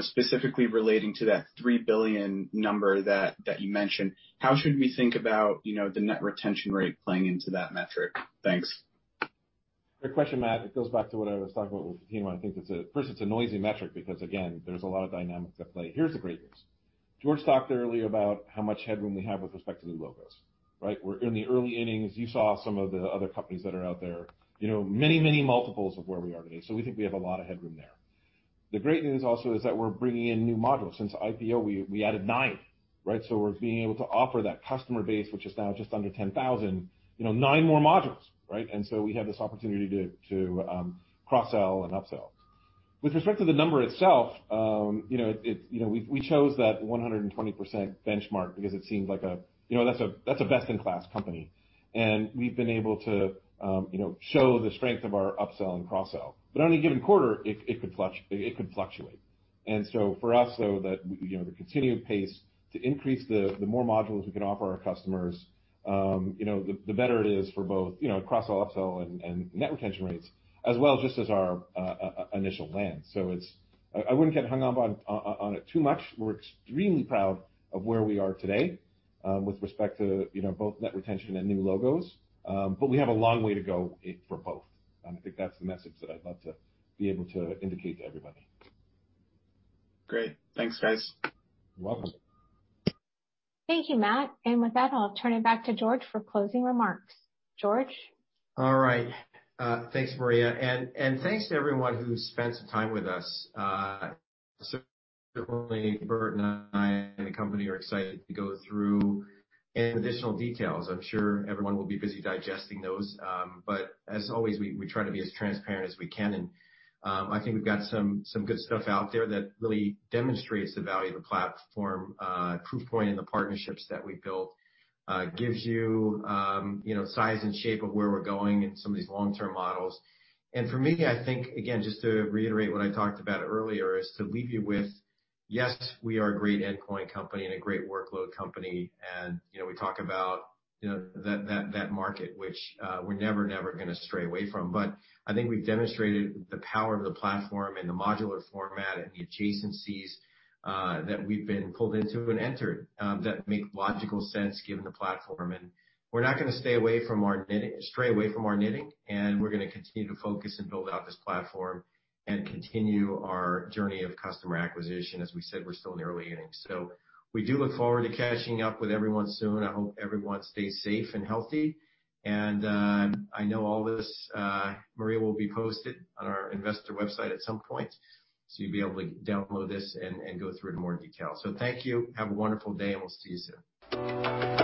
specifically relating to that $3 billion number that you mentioned, how should we think about the net retention rate playing into that metric? Thanks. Great question, Matt. It goes back to what I was talking about with Fatima. I think, first, it's a noisy metric because, again, there's a lot of dynamics at play. Here's the great news. George talked earlier about how much headroom we have with respect to new logos. Right? We're in the early innings. You saw some of the other companies that are out there. Many multiples of where we are today. We think we have a lot of headroom there. The great news also is that we're bringing in new modules. Since IPO, we added nine. Right? We're being able to offer that customer base, which is now just under 10,000, nine more modules. Right? We have this opportunity to cross-sell and upsell. With respect to the number itself, we chose that 120% benchmark because it seems like that's a best-in-class company, and we've been able to show the strength of our upsell and cross-sell. On a given quarter, it could fluctuate. For us, though, the continued pace to increase the more modules we can offer our customers, the better it is for both cross-sell, upsell, and net retention rates, as well just as our initial land. I wouldn't get hung up on it too much. We're extremely proud of where we are today with respect to both net retention and new logos. We have a long way to go for both. I think that's the message that I'd love to be able to indicate to everybody. Great. Thanks, guys. You're welcome. Thank you, Matt. With that, I'll turn it back to George for closing remarks. George? All right. Thanks, Maria, and thanks to everyone who spent some time with us. Certainly, Burt and I and the company are excited to go through any additional details. I'm sure everyone will be busy digesting those. As always, we try to be as transparent as we can, and I think we've got some good stuff out there that really demonstrates the value of the platform, proof point in the partnerships that we've built, gives you size and shape of where we're going in some of these long-term models. For me, I think, again, just to reiterate what I talked about earlier, is to leave you with, yes, we are a great endpoint company and a great workload company, and we talk about that market, which we're never going to stray away from. I think we've demonstrated the power of the platform and the modular format and the adjacencies that we've been pulled into and entered that make logical sense given the platform. We're not going to stray away from our knitting, and we're going to continue to focus and build out this platform and continue our journey of customer acquisition. As we said, we're still in the early innings. We do look forward to catching up with everyone soon. I hope everyone stays safe and healthy. I know all this, Maria, will be posted on our investor website at some point, so you'll be able to download this and go through it in more detail. Thank you. Have a wonderful day, and we'll see you soon.